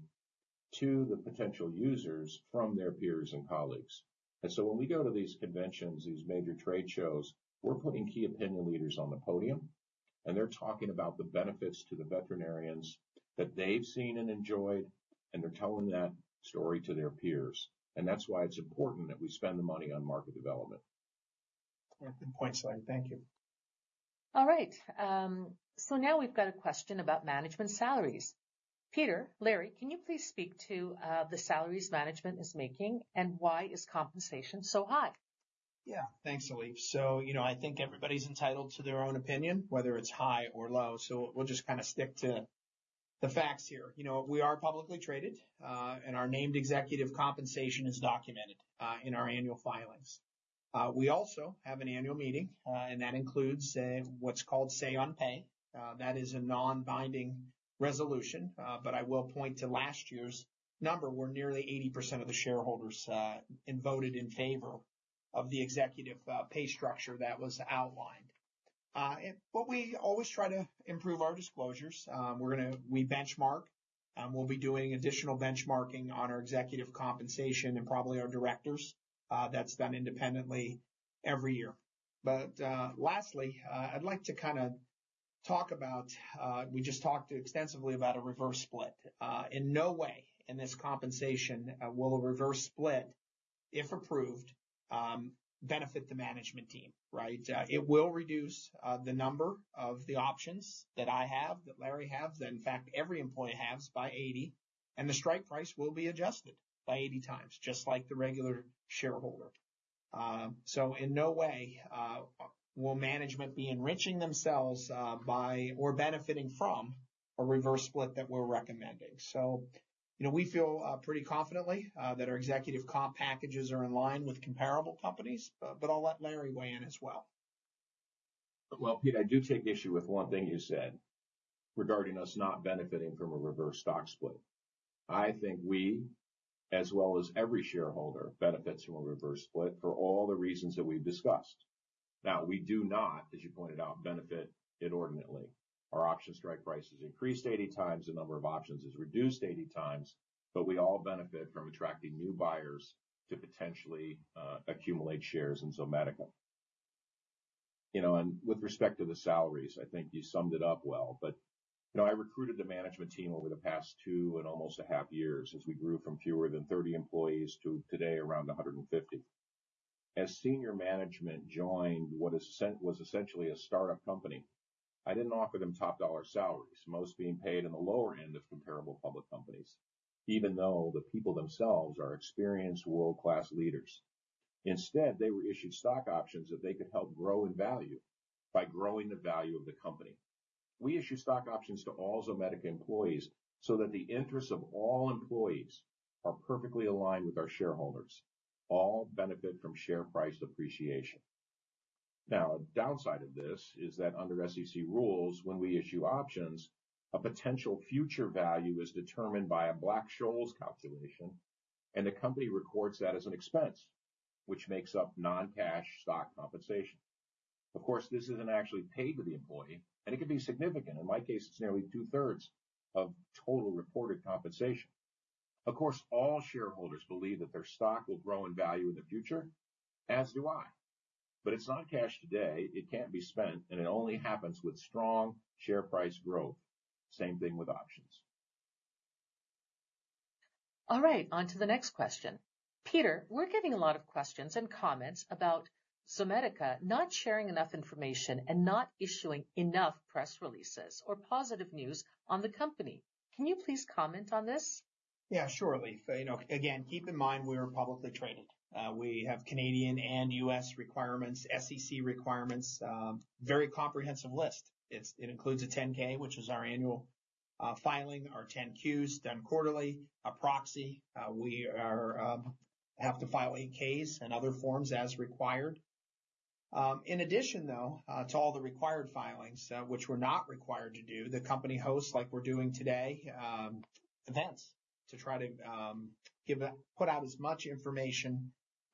to the potential users from their peers and colleagues. So when we go to these conventions, these major trade shows, we're putting key opinion leaders on the podium, and they're talking about the benefits to the veterinarians that they've seen and enjoyed, and they're telling that story to their peers. That's why it's important that we spend the money on market development. Yeah, good point, Larry. Thank you. All right, so now we've got a question about management salaries. Peter, Larry, can you please speak to the salaries management is making, and why is compensation so high? Yeah. Thanks, Elise. So, you know, I think everybody's entitled to their own opinion, whether it's high or low. So we'll just kinda stick to the facts here. You know, we are publicly traded, and our named executive compensation is documented in our annual filings. We also have an annual meeting, and that includes what's called say on pay. That is a non-binding resolution, but I will point to last year's number, where nearly 80% of the shareholders voted in favor of the executive pay structure that was outlined. But we always try to improve our disclosures. We're gonna benchmark, and we'll be doing additional benchmarking on our executive compensation and probably our directors. That's done independently every year. But, lastly, I'd like to kinda talk about we just talked extensively about a reverse split. In no way in this compensation will a reverse split, if approved, benefit the management team, right? It will reduce the number of the options that I have, that Larry has, that in fact, every employee has by 80, and the strike price will be adjusted by 80x, just like the regular shareholder. So, in no way will management be enriching themselves by or benefiting from a reverse split that we're recommending. So, you know, we feel pretty confidently that our executive comp packages are in line with comparable companies, but I'll let Larry weigh in as well. Well, Peter, I do take issue with one thing you said regarding us not benefiting from a reverse stock split. I think we, as well as every shareholder, benefits from a reverse split for all the reasons that we've discussed. Now, we do not, as you pointed out, benefit inordinately. Our option strike price has increased 80x. The number of options is reduced 80x, but we all benefit from attracting new buyers to potentially accumulate shares in Zomedica. You know, and with respect to the salaries, I think you summed it up well, but you know, I recruited the management team over the past 2 and almost a half years as we grew from fewer than 30 employees to today, around 150. As senior management joined what was essentially a startup company, I didn't offer them top-dollar salaries, most being paid in the lower end of comparable public companies, even though the people themselves are experienced world-class leaders. Instead, they were issued stock options that they could help grow in value by growing the value of the company. We issue stock options to all Zomedica employees so that the interests of all employees are perfectly aligned with our shareholders. All benefit from share price appreciation. Now, a downside of this is that under SEC rules, when we issue options, a potential future value is determined by a Black-Scholes calculation, and the company records that as an expense, which makes up non-cash stock compensation. Of course, this isn't actually paid to the employee, and it can be significant. In my case, it's nearly two-thirds of total reported compensation. Of course, all shareholders believe that their stock will grow in value in the future, as do I. But it's not cash today, it can't be spent, and it only happens with strong share price growth. Same thing with options. All right, onto the next question. Peter, we're getting a lot of questions and comments about Zomedica not sharing enough information and not issuing enough press releases or positive news on the company. Can you please comment on this? Yeah, sure, Elif. You know, again, keep in mind, we are publicly traded. We have Canadian and U.S. requirements, SEC requirements, very comprehensive list. It's, it includes a 10-K, which is our annual filing, our 10-Qs done quarterly, a proxy. We have to file 8-Ks and other forms as required. In addition, though, to all the required filings, which we're not required to do, the company hosts, like we're doing today, events to try to give a... put out as much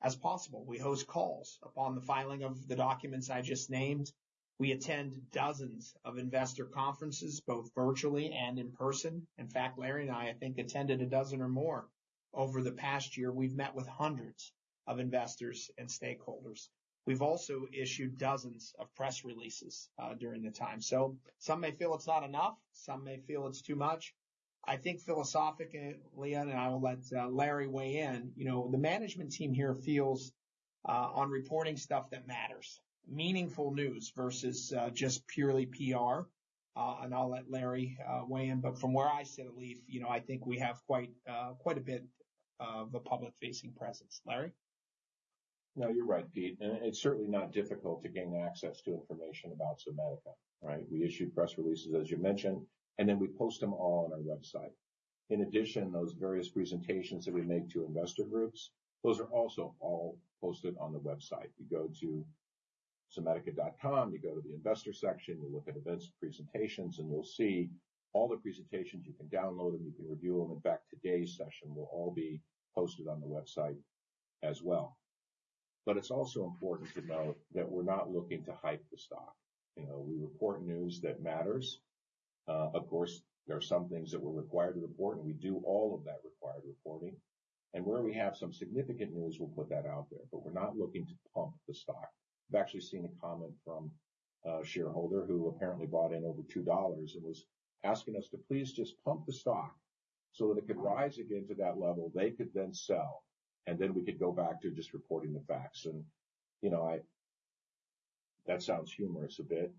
information as possible. We host calls upon the filing of the documents I just named. We attend dozens of investor conferences, both virtually and in person. In fact, Larry and I, I think, attended a dozen or more. Over the past year, we've met with hundreds of investors and stakeholders. We've also issued dozens of press releases during the time. So some may feel it's not enough, some may feel it's too much. I think philosophically, and I will let Larry weigh in, you know, the management team here feels on reporting stuff that matters. Meaningful news versus just purely PR, and I'll let Larry weigh in, but from where I sit, Elif, you know, I think we have quite, quite a bit of a public-facing presence. Larry? No, you're right, Pete, and it's certainly not difficult to gain access to information about Zomedica, right? We issue press releases, as you mentioned, and then we post them all on our website. In addition, those various presentations that we make to investor groups, those are also all posted on the website. You go to zomedica.com, you go to the investor section, you look at events and presentations, and you'll see all the presentations. You can download them, you can review them. In fact, today's session will all be posted on the website as well. But it's also important to note that we're not looking to hype the stock. You know, we report news that matters. Of course, there are some things that we're required to report, and we do all of that required reporting, and where we have some significant news, we'll put that out there, but we're not looking to pump the stock. I've actually seen a comment from a shareholder who apparently bought in over $2 and was asking us to please just pump the stock so that it could rise again to that level. They could then sell, and then we could go back to just reporting the facts. You know, that sounds humorous a bit,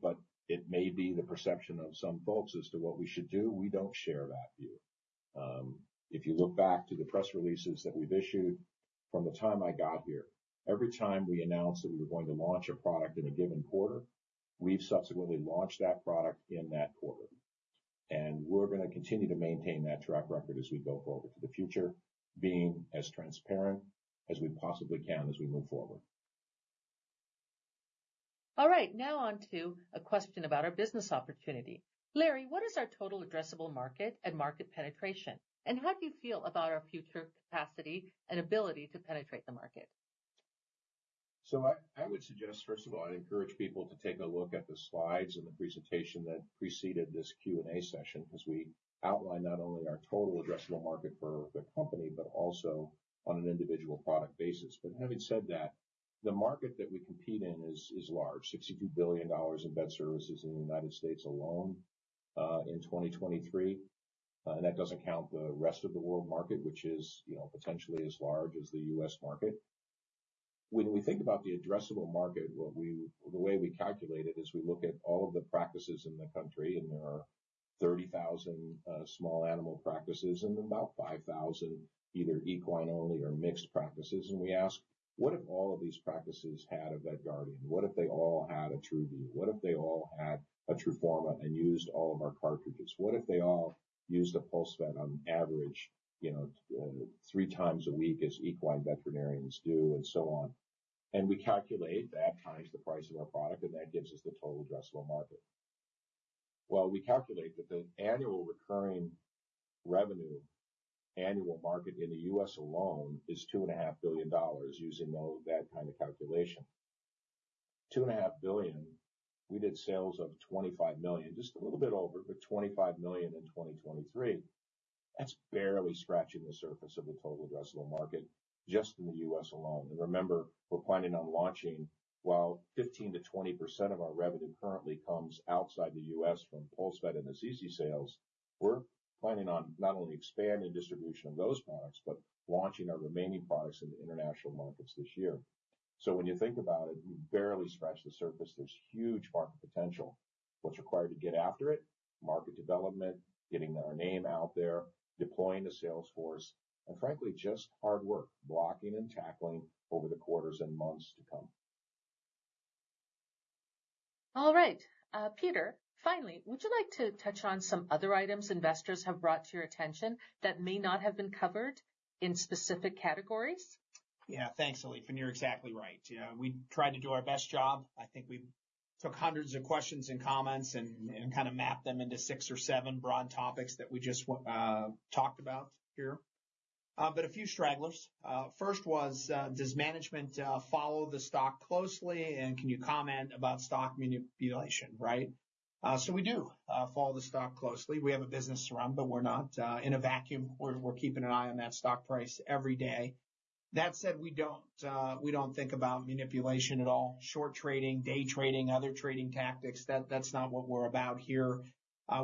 but it may be the perception of some folks as to what we should do. We don't share that view. If you look back to the press releases that we've issued from the time I got here, every time we announced that we were going to launch a product in a given quarter, we've subsequently launched that product in that quarter. We're gonna continue to maintain that track record as we go forward to the future, being as transparent as we possibly can as we move forward. ... All right, now on to a question about our business opportunity. Larry, what is our total addressable market and market penetration, and how do you feel about our future capacity and ability to penetrate the market? So I, I would suggest, first of all, I'd encourage people to take a look at the slides and the presentation that preceded this Q&A session, because we outlined not only our total addressable market for the company, but also on an individual product basis. But having said that, the market that we compete in is large, $62 billion in vet services in the United States alone, in 2023. And that doesn't count the rest of the world market, which is, you know, potentially as large as the US market. When we think about the addressable market, what we-- the way we calculate it is we look at all of the practices in the country, and there are 30,000 small animal practices and about 5,000 either equine only or mixed practices. We ask, "What if all of these practices had a VETGuardian? What if they all had a TRUVIEW? What if they all had a TRUFORMA and used all of our cartridges? What if they all used a PulseVet on average, you know, 3x a week, as equine veterinarians do, and so on?" We calculate that times the price of our product, and that gives us the total addressable market. Well, we calculate that the annual recurring revenue, annual market in the U.S. alone is $2.5 billion, using those, that kind of calculation. $2.5 billion, we did sales of $25 million, just a little bit over, but $25 million in 2023. That's barely scratching the surface of the total addressable market, just in the U.S. alone. And remember, we're planning on launching, while 15%-20% of our revenue currently comes outside the U.S. from PulseVet and Assisi sales, we're planning on not only expanding distribution of those products, but launching our remaining products in the international markets this year. So when you think about it, we've barely scratched the surface. There's huge market potential. What's required to get after it? Market development, getting our name out there, deploying the sales force, and frankly, just hard work, blocking and tackling over the quarters and months to come. All right. Peter, finally, would you like to touch on some other items investors have brought to your attention that may not have been covered in specific categories? Yeah. Thanks, Elif, and you're exactly right. You know, we tried to do our best job. I think we took hundreds of questions and comments and kind of mapped them into six or seven broad topics that we just talked about here. But a few stragglers. First was, does management follow the stock closely, and can you comment about stock manipulation, right? So we do follow the stock closely. We have a business to run, but we're not in a vacuum. We're keeping an eye on that stock price every day. That said, we don't think about manipulation at all. Short trading, day trading, other trading tactics, that's not what we're about here.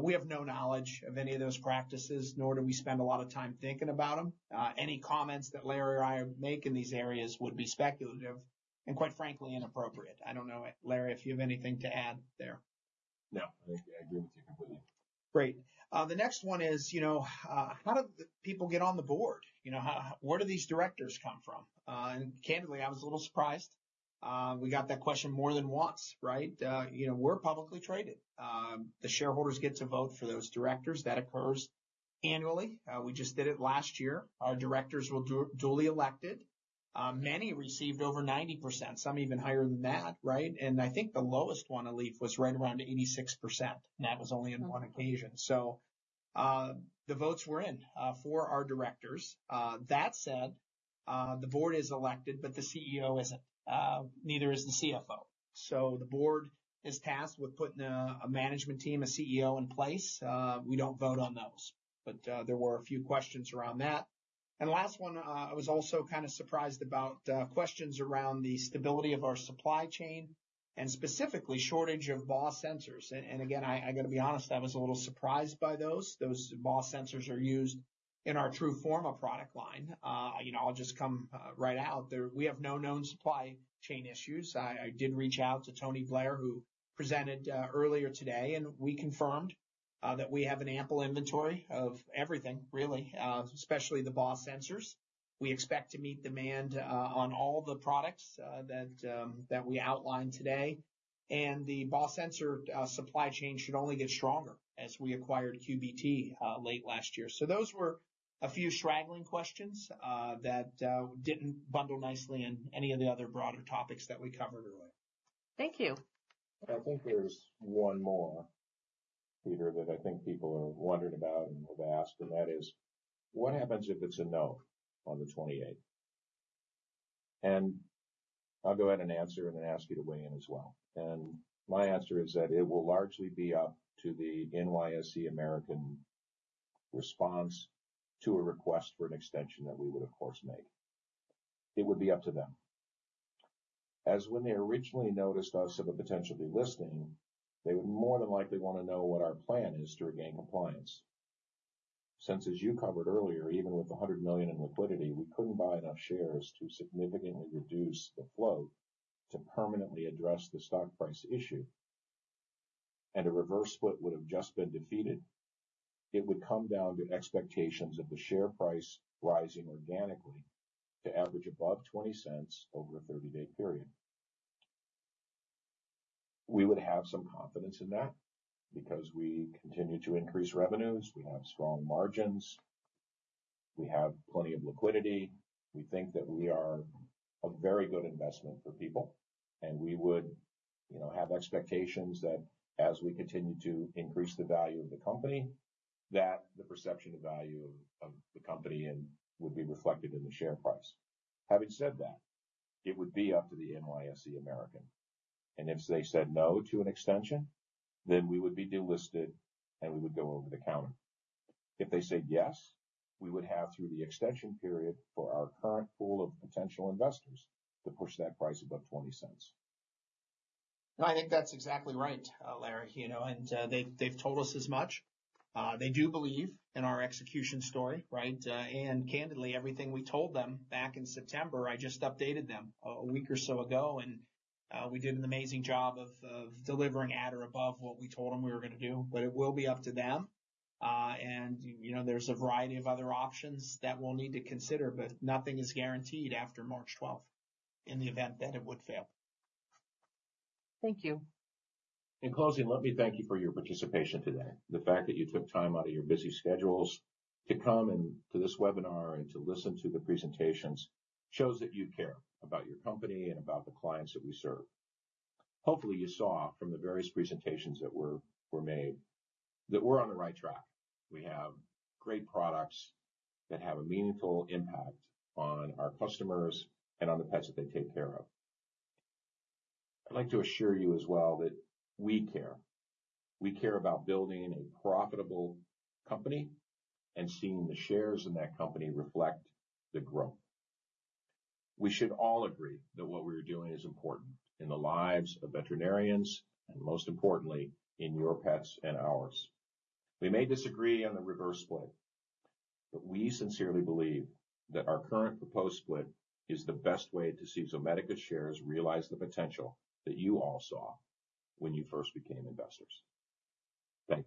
We have no knowledge of any of those practices, nor do we spend a lot of time thinking about them. Any comments that Larry or I make in these areas would be speculative and, quite frankly, inappropriate. I don't know, Larry, if you have anything to add there? No, I agree with you completely. Great. The next one is, you know, how did people get on the board? You know, how... Where do these directors come from? And candidly, I was a little surprised. We got that question more than once, right? You know, we're publicly traded. The shareholders get to vote for those directors. That occurs annually. We just did it last year. Our directors were duly elected. Many received over 90%, some even higher than that, right? And I think the lowest one, Elif, was right around 86%, and that was only on one occasion. So, the votes were in for our directors. That said, the board is elected, but the CEO isn't. Neither is the CFO. So the board is tasked with putting a management team, a CEO in place. We don't vote on those, but there were a few questions around that. And last one, I was also kind of surprised about questions around the stability of our supply chain and specifically shortage of BAW sensors. And again, I got to be honest, I was a little surprised by those. Those BAW sensors are used in our TRUFORMA product line. You know, I'll just come right out there. We have no known supply chain issues. I did reach out to Tony Blair, who presented earlier today, and we confirmed that we have an ample inventory of everything, really, especially the BAW sensors. We expect to meet demand on all the products that we outlined today. The BAW sensor supply chain should only get stronger as we acquired QBT late last year. So those were a few straggling questions that didn't bundle nicely in any of the other broader topics that we covered earlier. Thank you. I think there's one more, Peter, that I think people are wondering about and have asked, and that is: What happens if it's a no on the 28th? I'll go ahead and answer and then ask you to weigh in as well. My answer is that it will largely be up to the NYSE American response to a request for an extension that we would, of course, make. It would be up to them. As when they originally notified us of a potential delisting, they would more than likely want to know what our plan is to regain compliance. Since, as you covered earlier, even with $100 million in liquidity, we couldn't buy enough shares to significantly reduce the float to permanently address the stock price issue, and a reverse split would have just been defeated. It would come down to expectations of the share price rising organically to average above $0.20 over a 30-day period. We would have some confidence in that because we continue to increase revenues, we have strong margins.... We have plenty of liquidity. We think that we are a very good investment for people, and we would, you know, have expectations that as we continue to increase the value of the company, that the perception of value of the company and would be reflected in the share price. Having said that, it would be up to the NYSE American, and if they said no to an extension, then we would be delisted, and we would go over the counter. If they said yes, we would have through the extension period for our current pool of potential investors to push that price above $0.20. No, I think that's exactly right, Larry. You know, and they've told us as much. They do believe in our execution story, right? And candidly, everything we told them back in September, I just updated them a week or so ago, and we did an amazing job of delivering at or above what we told them we were gonna do. But it will be up to them, and you know, there's a variety of other options that we'll need to consider, but nothing is guaranteed after March 12th, in the event that it would fail. Thank you. In closing, let me thank you for your participation today. The fact that you took time out of your busy schedules to come in to this webinar and to listen to the presentations shows that you care about your company and about the clients that we serve. Hopefully, you saw from the various presentations that were made, that we're on the right track. We have great products that have a meaningful impact on our customers and on the pets that they take care of. I'd like to assure you as well that we care. We care about building a profitable company and seeing the shares in that company reflect the growth. We should all agree that what we're doing is important in the lives of veterinarians and most importantly, in your pets and ours. We may disagree on the reverse split, but we sincerely believe that our current proposed split is the best way to see Zomedica shares realize the potential that you all saw when you first became investors. Thank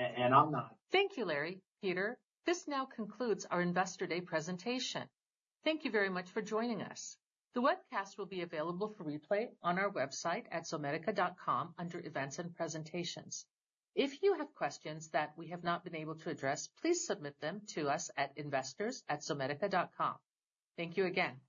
you. I'm not. Thank you, Larry, Peter. This now concludes our Investor Day presentation. Thank you very much for joining us. The webcast will be available for replay on our website at zomedica.com under Events and Presentations. If you have questions that we have not been able to address, please submit them to us at investors@zomedica.com. Thank you again.